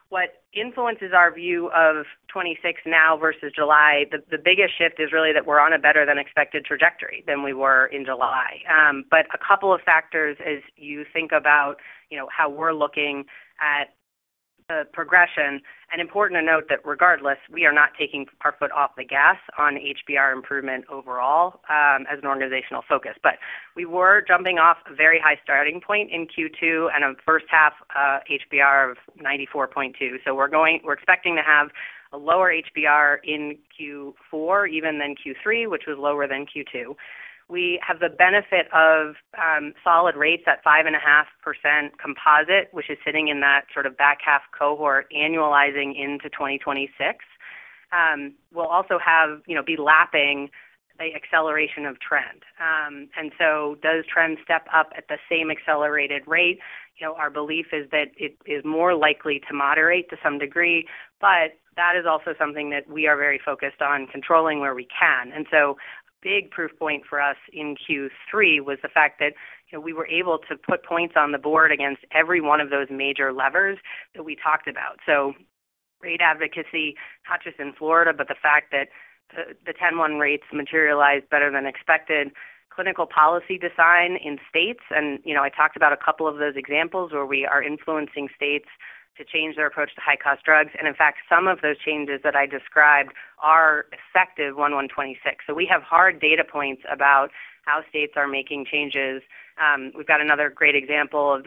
Speaker 3: What influences our view of 2026 now versus July, the biggest shift is really that we're on a better than expected trajectory than we were in July. A couple of factors as you think about how we're looking at the progression. Important to note that regardless, we are not taking our foot off the gas on HBR improvement overall as an organizational focus. We were jumping off a very high starting point in Q2 and a first half HBR of 94.2. We're expecting to have a lower HBR in Q4 even than Q3, which was lower than Q2. We have the benefit of solid rates at 5.5% composite, which is sitting in that sort of back half cohort annualizing into 2026. We'll also be lapping the acceleration of trend. Does trend step up at the same accelerated rate? Our belief is that it is more likely to moderate to some degree, but that is also something that we are very focused on controlling where we can. A big proof point for us in Q3 was the fact that we were able to put points on the board against every one of those major levers that we talked about. Rate advocacy, not just in Florida, but the fact that the 10-1 rates materialized better than expected. Clinical policy design in states, and I talked about a couple of those examples where we are influencing states to change their approach to high-cost drugs. In fact, some of those changes that I described are effective 1/1/2026. We have hard data points about how states are making changes. We've got another great example of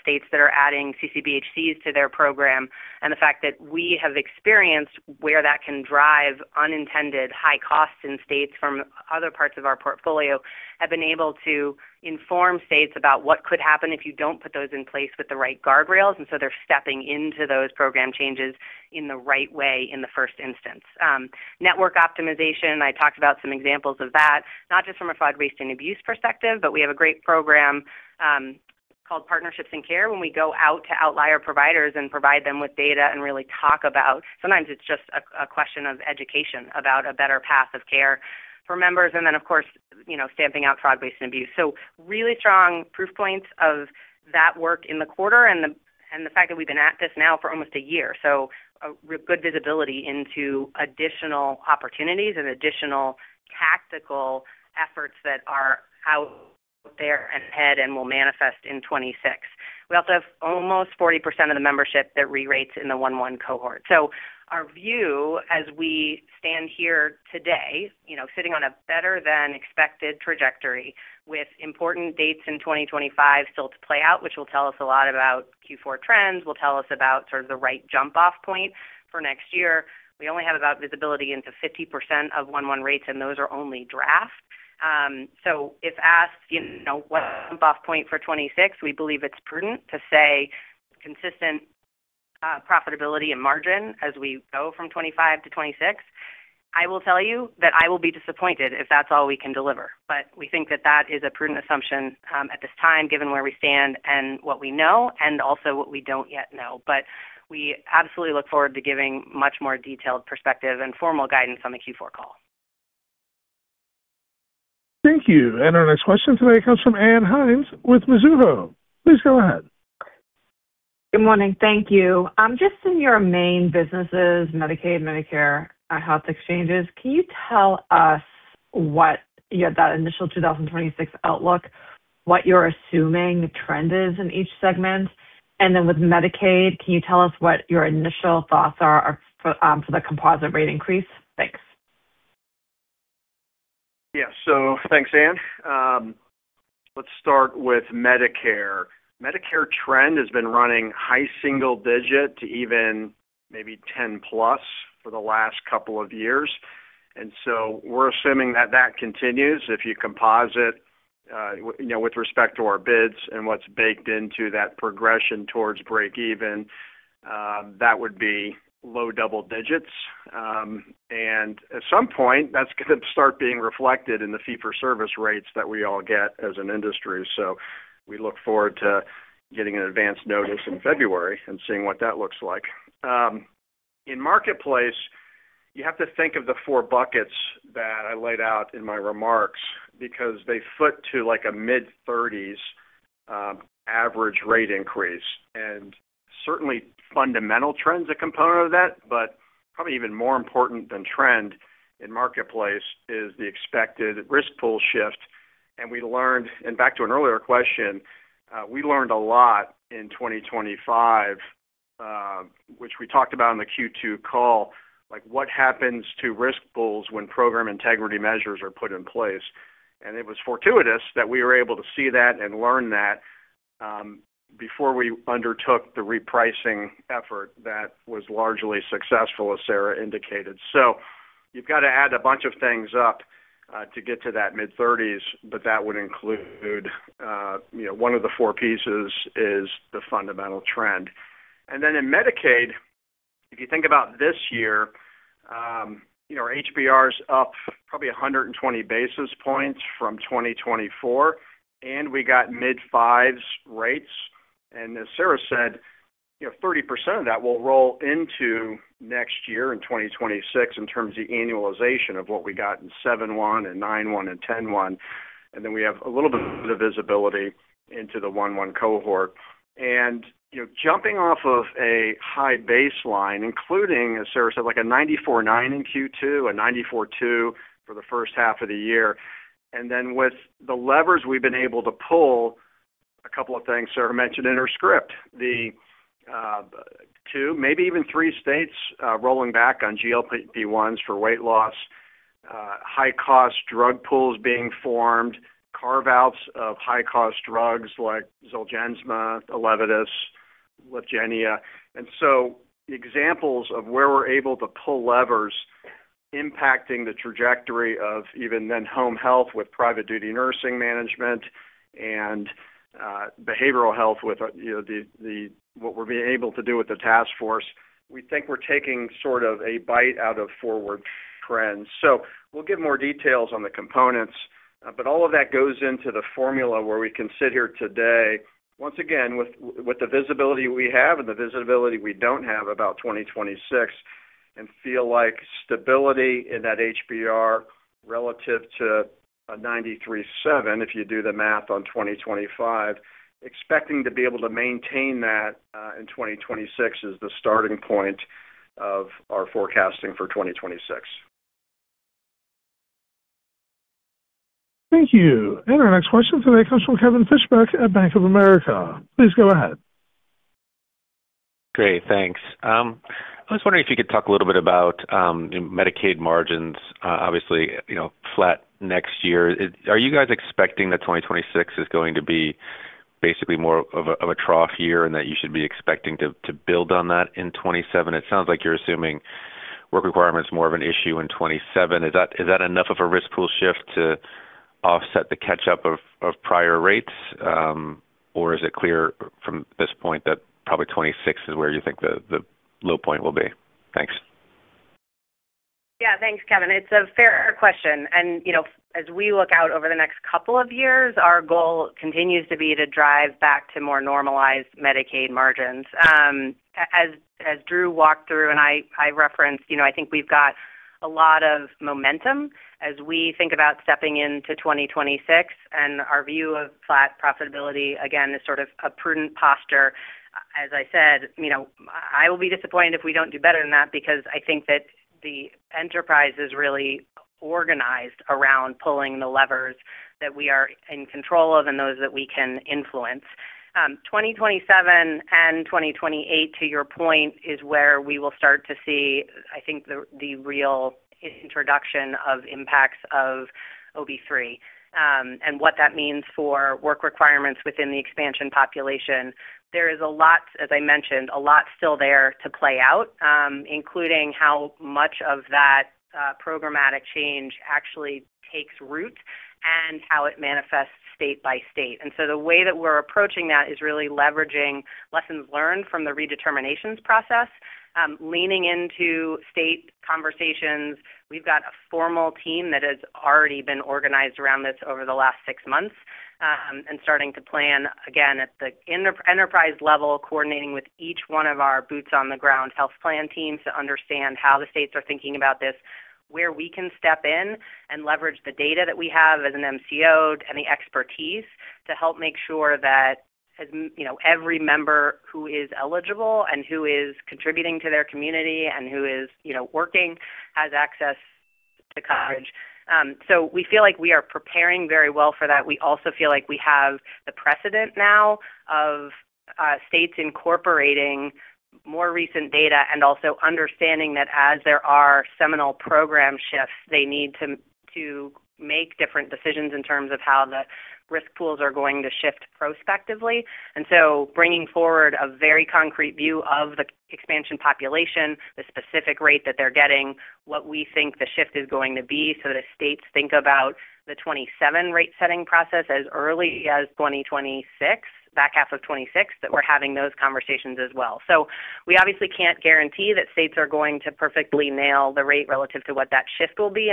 Speaker 3: states that are adding CCBHCs to their program. The fact that we have experience where that can drive unintended high costs in states from other parts of our portfolio have been able to inform states about what could happen if you don't put those in place with the right guardrails. They are stepping into those program changes in the right way in the first instance. Network optimization, I talked about some examples of that, not just from a fraud, waste, and abuse perspective, but we have a great program called Partnerships and Care when we go out to outlier providers and provide them with data and really talk about, sometimes it's just a question of education about a better path of care for members. Of course, stamping out fraud, waste, and abuse. There are really strong proof points of that work in the quarter and the fact that we've been at this now for almost a year. There is good visibility into additional opportunities and additional tactical efforts that are out there ahead and will manifest in 2026. We also have almost 40% of the membership that re-rates in the 1-1 cohort. Our view as we stand here today, sitting on a better than expected trajectory with important dates in 2025 still to play out, which will tell us a lot about Q4 trends, will tell us about the right jump-off point for next year. We only have visibility into 50% of 1-1 rates, and those are only draft. If asked what jump-off point for 2026, we believe it's prudent to say consistent profitability and margin as we go from 2025 to 2026. I will tell you that I will be disappointed if that's all we can deliver. We think that that is a prudent assumption at this time, given where we stand and what we know and also what we don't yet know. We absolutely look forward to giving much more detailed perspective and formal guidance on the Q4 call.
Speaker 1: Thank you. Our next question today comes from Ann Hynes with Mizuho. Please go ahead.
Speaker 9: Good morning. Thank you. Just in your main businesses, Medicaid, Medicare, and Health Exchanges, can you tell us when you had that initial 2026 outlook, what you're assuming the trend is in each segment? With Medicaid, can you tell us what your initial thoughts are for the composite rate increase? Thanks.
Speaker 4: Yeah, so thanks, Ann. Let's start with Medicare. Medicare trend has been running high single digit to even maybe 10%+ for the last couple of years, and we're assuming that that continues. If you composite, you know, with respect to our bids and what's baked into that progression towards break-even, that would be low double digits. At some point, that's going to start being reflected in the fee-for-service rates that we all get as an industry. We look forward to getting an advance notice in February and seeing what that looks like. In Marketplace, you have to think of the four buckets that I laid out in my remarks because they foot to like a mid-30s average rate increase. Certainly, fundamental trend is a component of that, but probably even more important than trend in Marketplace is the expected risk pool shift. We learned, and back to an earlier question, we learned a lot in 2025, which we talked about in the Q2 call, like what happens to risk pools when program integrity measures are put in place. It was fortuitous that we were able to see that and learn that before we undertook the repricing effort that was largely successful, as Sarah indicated. You've got to add a bunch of things up to get to that mid-30s, but that would include, you know, one of the four pieces is the fundamental trend. In Medicaid, if you think about this year, you know, our HBR is up probably 120 basis points from 2024, and we got mid-5% rates. As Sarah said, you know, 30% of that will roll into next year in 2026 in terms of the annualization of what we got in 7-1 and 9-1 and 10-1. We have a little bit of visibility into the 1-1 cohort. Jumping off of a high baseline, including, as Sarah said, like a 94.9 in Q2, a 94.2 for the first half of the year. With the levers we've been able to pull, a couple of things Sarah mentioned in her script, the two, maybe even three states rolling back on GLP-1s for weight loss, high-cost drug pools being formed, carve-outs of high-cost drugs like Zolgensma, the Leqvio, Lyfgenia. The examples of where we're able to pull levers impacting the trajectory of even then home health with private duty nursing management and behavioral health with, you know, what we're being able to do with the task force. We think we're taking sort of a bite out of forward trends. We will give more details on the components, but all of that goes into the formula where we can sit here today, once again, with the visibility we have and the visibility we don't have about 2026 and feel like stability in that HBR relative to a 93.7% if you do the math on 2025, expecting to be able to maintain that in 2026 is the starting point of our forecasting for 2026.
Speaker 1: Thank you. Our next question today comes from Kevin Fischbeck at Bank of America. Please go ahead.
Speaker 10: Great, thanks. I was wondering if you could talk a little bit about Medicaid margins. Obviously, you know, flat next year. Are you guys expecting that 2026 is going to be basically more of a trough year and that you should be expecting to build on that in 2027? It sounds like you're assuming work requirements are more of an issue in 2027. Is that enough of a risk pool shift to offset the catch-up of prior rates? Or is it clear from this point that probably 2026 is where you think the low point will be? Thanks.
Speaker 3: Yeah, thanks, Kevin. It's a fair question. As we look out over the next couple of years, our goal continues to be to drive back to more normalized Medicaid margins. As Drew walked through and I referenced, I think we've got a lot of momentum as we think about stepping into 2026. Our view of flat profitability, again, is sort of a prudent posture. I will be disappointed if we don't do better than that because I think that the enterprise is really organized around pulling the levers that we are in control of and those that we can influence. 2027 and 2028, to your point, is where we will start to see the real introduction of impacts of OB-3 and what that means for work requirements within the expansion population. There is a lot, as I mentioned, still there to play out, including how much of that programmatic change actually takes root and how it manifests state by state. The way that we're approaching that is really leveraging lessons learned from the redeterminations process, leaning into state conversations. We've got a formal team that has already been organized around this over the last six months and starting to plan again at the enterprise level, coordinating with each one of our boots-on-the-ground health plan teams to understand how the states are thinking about this, where we can step in and leverage the data that we have as an MCO and the expertise to help make sure that every member who is eligible and who is contributing to their community and who is working has access to coverage. We feel like we are preparing very well for that. We also feel like we have the precedent now of states incorporating more recent data and also understanding that as there are seminal program shifts, they need to make different decisions in terms of how the risk pools are going to shift prospectively. Bringing forward a very concrete view of the expansion population, the specific rate that they're getting, what we think the shift is going to be so that as states think about the 2027 rate setting process as early as 2026, back half of 2026, that we're having those conversations as well. We obviously can't guarantee that states are going to perfectly nail the rate relative to what that shift will be.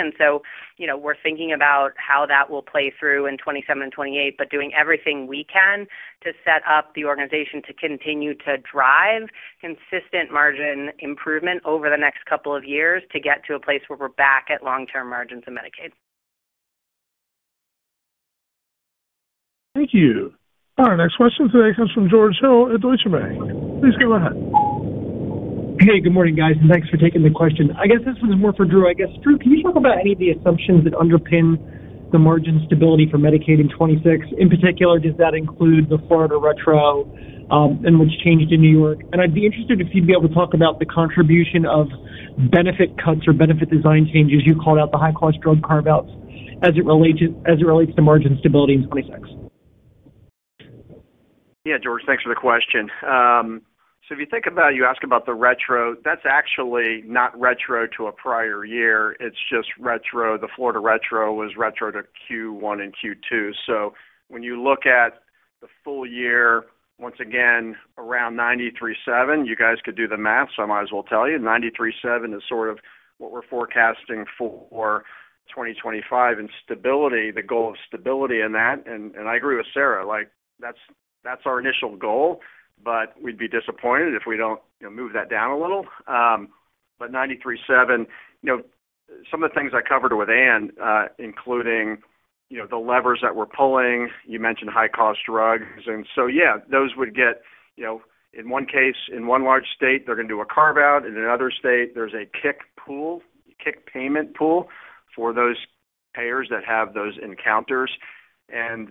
Speaker 3: We're thinking about how that will play through in 2027 and 2028, but doing everything we can to set up the organization to continue to drive consistent margin improvement over the next couple of years to get to a place where we're back at long-term margins in Medicaid.
Speaker 1: Thank you. Our next question today comes from George Hill at Deutsche Bank. Please go ahead.
Speaker 11: Hey, good morning, guys, and thanks for taking the question. I guess this one's more for Drew. Drew, can you talk about any of the assumptions that underpin the margin stability for Medicaid in 2026? In particular, does that include the Florida retro and which changed in New York? I'd be interested if you'd be able to talk about the contribution of benefit cuts or benefit design changes you called out, the high-cost drug carve-outs as it relates to margin stability in 2026.
Speaker 4: Yeah, George, thanks for the question. If you think about it, you ask about the retro, that's actually not retro to a prior year. It's just retro. The Florida retro was retro to Q1 and Q2. When you look at the full year, once again, around 93.7%, you guys could do the math, so I might as well tell you, 93.7% is sort of what we're forecasting for 2025 and stability, the goal of stability in that. I agree with Sarah, like that's our initial goal, but we'd be disappointed if we don't move that down a little. 93.7%, you know, some of the things I covered with Anne, including the levers that we're pulling, you mentioned high-cost drugs. Those would get, in one case, in one large state, they're going to do a carve-out, and in another state, there's a kick payment pool for those payers that have those encounters. There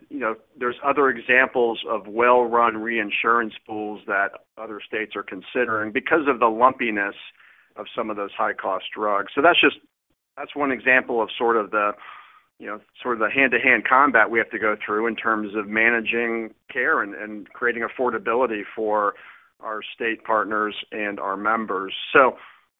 Speaker 4: are other examples of well-run reinsurance pools that other states are considering because of the lumpiness of some of those high-cost drugs. That's just one example of the hand-to-hand combat we have to go through in terms of managing care and creating affordability for our state partners and our members.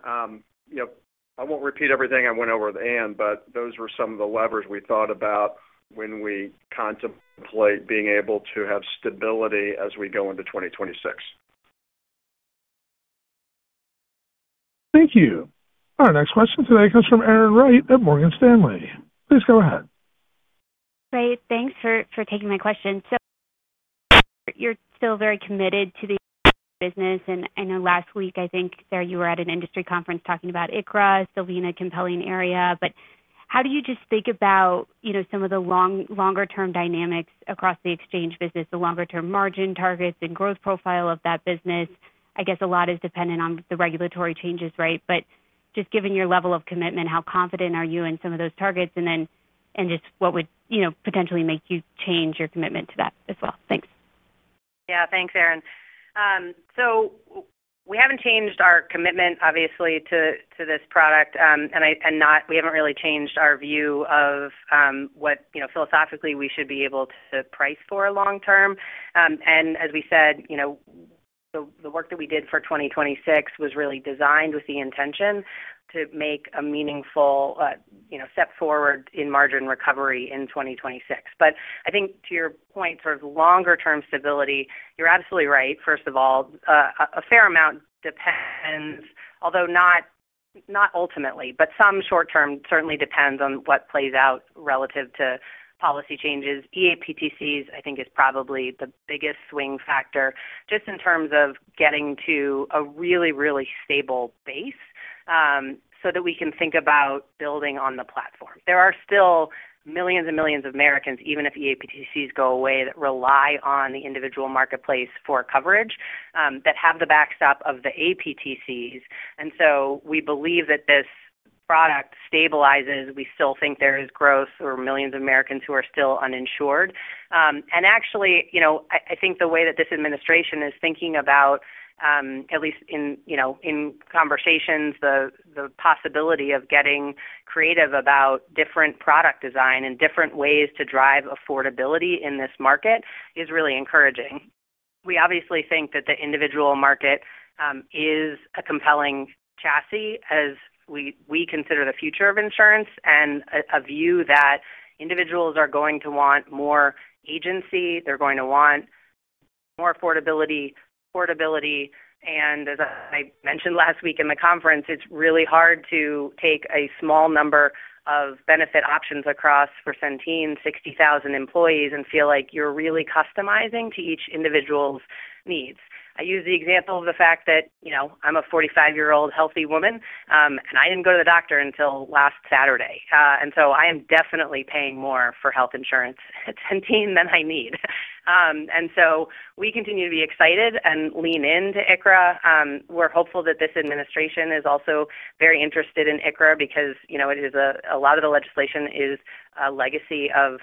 Speaker 4: I won't repeat everything I went over with Ann, but those were some of the levers we thought about when we contemplate being able to have stability as we go into 2026.
Speaker 1: Thank you. Our next question today comes from Erin Wright at Morgan Stanley. Please go ahead.
Speaker 12: Great, thanks for taking my question. You're still very committed to the business. I know last week, I think, Sarah, you were at an industry conference talking about ICHRA, the lean and compelling area. How do you just think about some of the longer-term dynamics across the Marketplace business, the longer-term margin targets and growth profile of that business? I guess a lot is dependent on the regulatory changes, right? Given your level of commitment, how confident are you in some of those targets? What would potentially make you change your commitment to that as well? Thanks.
Speaker 3: Yeah, thanks, Aaron. We haven't changed our commitment, obviously, to this product. We haven't really changed our view of what philosophically we should be able to price for long-term. As we said, the work that we did for 2026 was really designed with the intention to make a meaningful step forward in margin recovery in 2026. I think to your point, sort of longer-term stability, you're absolutely right. First of all, a fair amount depends, although not ultimately, but some short-term certainly depends on what plays out relative to policy changes. eAPTCs, I think, is probably the biggest swing factor just in terms of getting to a really, really stable base so that we can think about building on the platform. There are still millions and millions of Americans, even if eAPTCs go away, that rely on the individual Marketplace for coverage that have the backstop of the APTCs. We believe that this product stabilizes. We still think there is growth or millions of Americans who are still uninsured. Actually, I think the way that this administration is thinking about, at least in conversations, the possibility of getting creative about different product design and different ways to drive affordability in this market is really encouraging. We obviously think that the individual market is a compelling chassis as we consider the future of insurance and a view that individuals are going to want more agency. They're going to want more affordability. As I mentioned last week in the conference, it's really hard to take a small number of benefit options across for Centene's 60,000 employees and feel like you're really customizing to each individual's needs. I use the example of the fact that I'm a 45-year-old healthy woman, and I didn't go to the doctor until last Saturday. I am definitely paying more for health insurance at Centene than I need. We continue to be excited and lean into ICHRA. We're hopeful that this administration is also very interested in ICHRA because a lot of the legislation is a legacy of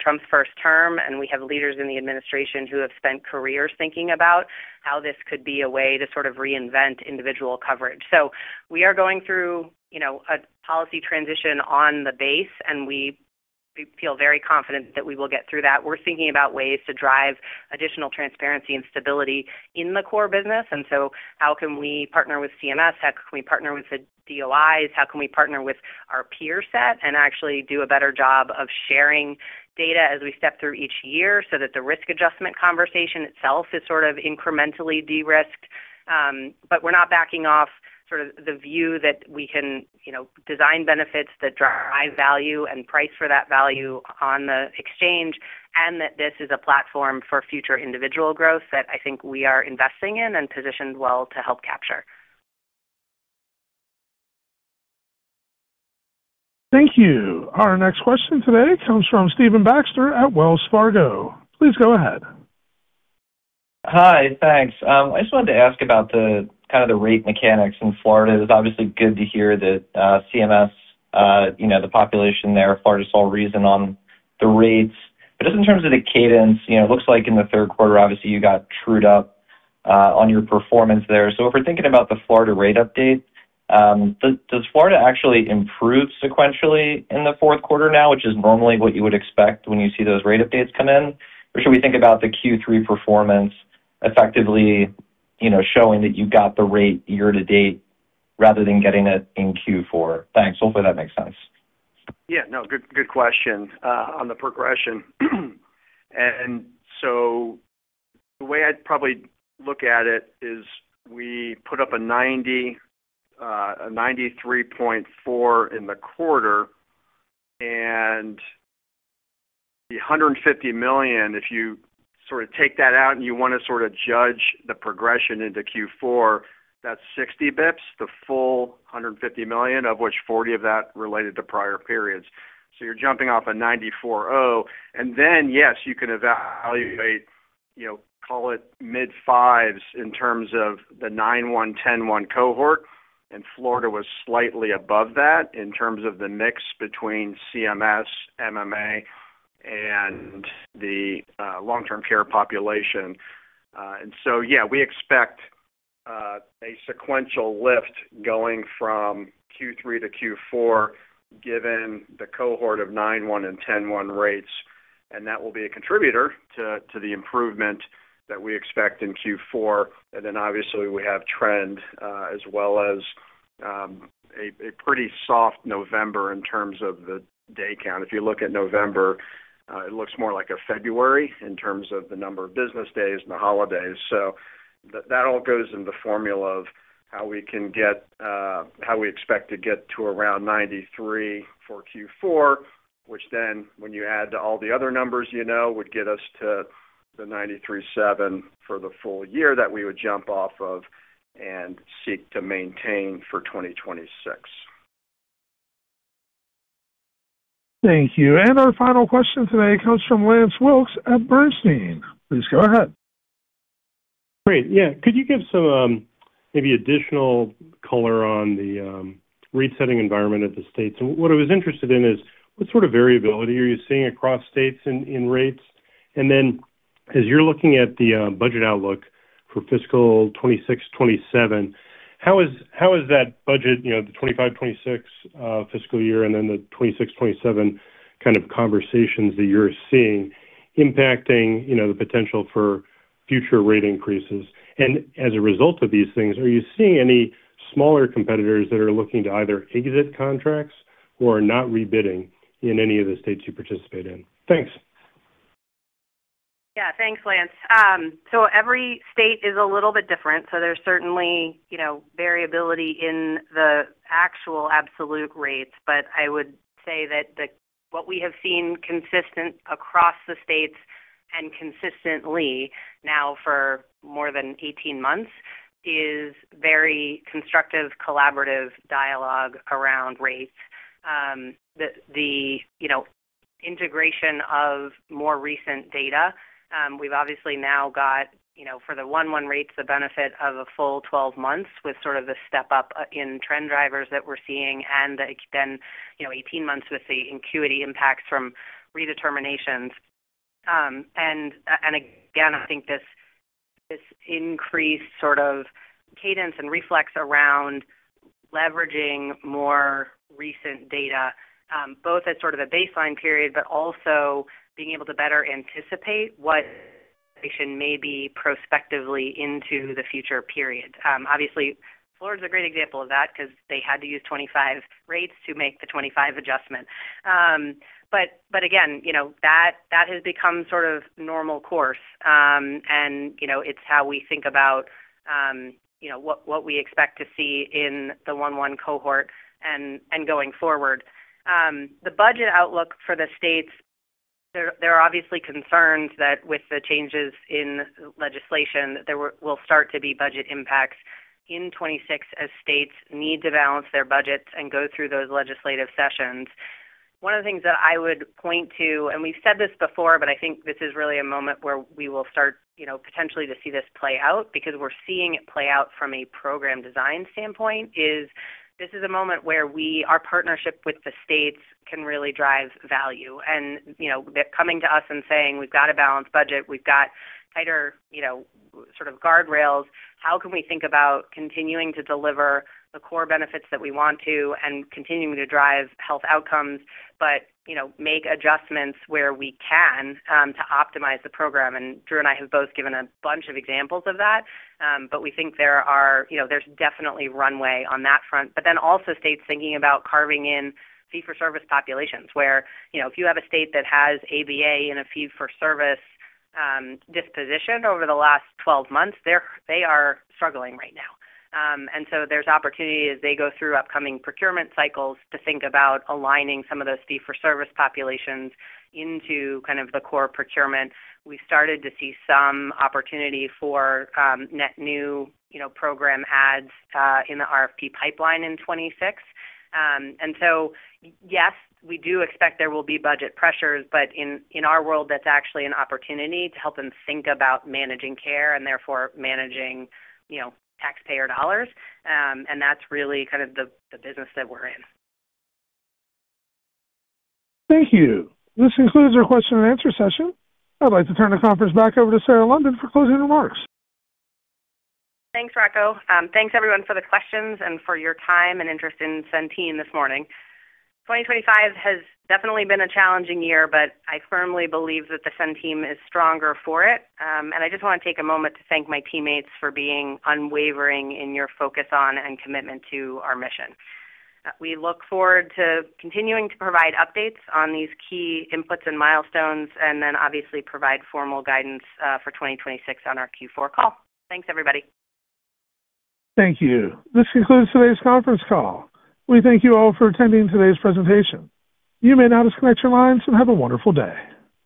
Speaker 3: Trump's first term. We have leaders in the administration who have spent careers thinking about how this could be a way to sort of reinvent individual coverage. We are going through a policy transition on the base, and we feel very confident that we will get through that. We're thinking about ways to drive additional transparency and stability in the core business. How can we partner with CMS? How can we partner with the DOIs? How can we partner with our peer set and actually do a better job of sharing data as we step through each year so that the risk adjustment conversation itself is incrementally de-risked? We're not backing off the view that we can design benefits that drive value and price for that value on the Marketplace, and that this is a platform for future individual growth that I think we are investing in and positioned well to help capture.
Speaker 1: Thank you. Our next question today comes from Stephen Baxter at Wells Fargo. Please go ahead.
Speaker 13: Hi, thanks. I just wanted to ask about the kind of the rate mechanics in Florida. It was obviously good to hear that CMS, you know, the population there of Florida saw reason on the rates. Just in terms of the cadence, it looks like in the third quarter, obviously, you got trued up on your performance there. If we're thinking about the Florida rate update, does Florida actually improve sequentially in the fourth quarter now, which is normally what you would expect when you see those rate updates come in? Should we think about the Q3 performance effectively, you know, showing that you got the rate year to date rather than getting it in Q4? Thanks. Hopefully, that makes sense.
Speaker 4: Yeah, good question on the progression. The way I'd probably look at it is we put up a 93.4 in the quarter. The $150 million, if you sort of take that out and you want to sort of judge the progression into Q4, that's 60 bps, the full $150 million, of which $40 million of that related to prior periods. You're jumping off a 94.0. You can evaluate, call it mid-fives in terms of the 9-1, 10-1 cohort. Florida was slightly above that in terms of the mix between CMS, MMA, and the long-term care population. We expect a sequential lift going from Q3 to Q4, given the cohort of 9-1 and 10-1 rates. That will be a contributor to the improvement that we expect in Q4. Obviously, we have trend as well as a pretty soft November in terms of the day count. If you look at November, it looks more like a February in terms of the number of business days and the holidays. That all goes into the formula of how we can get, how we expect to get to around 93 for Q4, which then, when you add to all the other numbers, would get us to the 93.7 for the full year that we would jump off of and seek to maintain for 2026.
Speaker 1: Thank you. Our final question today comes from Lance Wilkes at Bernstein. Please go ahead.
Speaker 14: Great. Yeah, could you give some maybe additional color on the rate setting environment at the states? What I was interested in is what sort of variability are you seeing across states in rates? As you're looking at the budget outlook for fiscal 2026-2027, is. Is that budget, you know, the 2025-2026 fiscal year and then the 2026-2027 kind of conversations that you're seeing impacting, you know, the potential for future rate increases? As a result of these things, are you seeing any smaller competitors that are looking to either exit contracts or are not rebidding in any of the states you participate in? Thanks.
Speaker 3: Yeah, thanks, Lance. Every state is a little bit different. There is certainly variability in the actual absolute rates. I would say that what we have seen consistent across the states and consistently now for more than 18 months is very constructive, collaborative dialogue around rates. The integration of more recent data, we've obviously now got, for the one-one rates, the benefit of a full 12 months with the step up in trend drivers that we're seeing and then 18 months with the acuity impacts from redeterminations. I think this increased cadence and reflex around leveraging more recent data, both at a baseline period, but also being able to better anticipate what may be prospectively into the future period. Obviously, Florida is a great example of that because they had to use 2025 rates to make the 2025 adjustment. That has become normal course. It's how we think about what we expect to see in the one-one cohort and going forward. The budget outlook for the states, there are obviously concerns that with the changes in legislation, there will start to be budget impacts in 2026 as states need to balance their budgets and go through those legislative sessions. One of the things that I would point to, and we've said this before, but I think this is really a moment where we will start potentially to see this play out because we're seeing it play out from a program design standpoint, is this is a moment where our partnership with the states can really drive value. They're coming to us and saying, we've got to balance budget. We've got tighter guardrails. How can we think about continuing to deliver the core benefits that we want to and continuing to drive health outcomes, but make adjustments where we can to optimize the program? Drew and I have both given a bunch of examples of that. We think there is definitely runway on that front. Also, states are thinking about carving in fee-for-service populations where, if you have a state that has ABA in a fee-for-service disposition over the last 12 months, they are struggling right now. There is opportunity as they go through upcoming procurement cycles to think about aligning some of those fee-for-service populations into the core procurement. We've started to see some opportunity for net new program adds in the RFP pipeline in 2026. Yes, we do expect there will be budget pressures. In our world, that's actually an opportunity to help them think about managing care and therefore managing taxpayer dollars. That's really kind of the business that we're in.
Speaker 1: Thank you. This concludes our question and answer session. I'd like to turn the conference back over to Sarah London for closing remarks.
Speaker 3: Thanks, Rocco. Thanks, everyone, for the questions and for your time and interest in Centene this morning. 2025 has definitely been a challenging year, but I firmly believe that Centene is stronger for it. I just want to take a moment to thank my teammates for being unwavering in your focus on and commitment to our mission. We look forward to continuing to provide updates on these key inputs and milestones and obviously provide formal guidance for 2026 on our Q4 call. Thanks, everybody.
Speaker 1: Thank you. This concludes today's conference call. We thank you all for attending today's presentation. You may now disconnect your lines and have a wonderful day.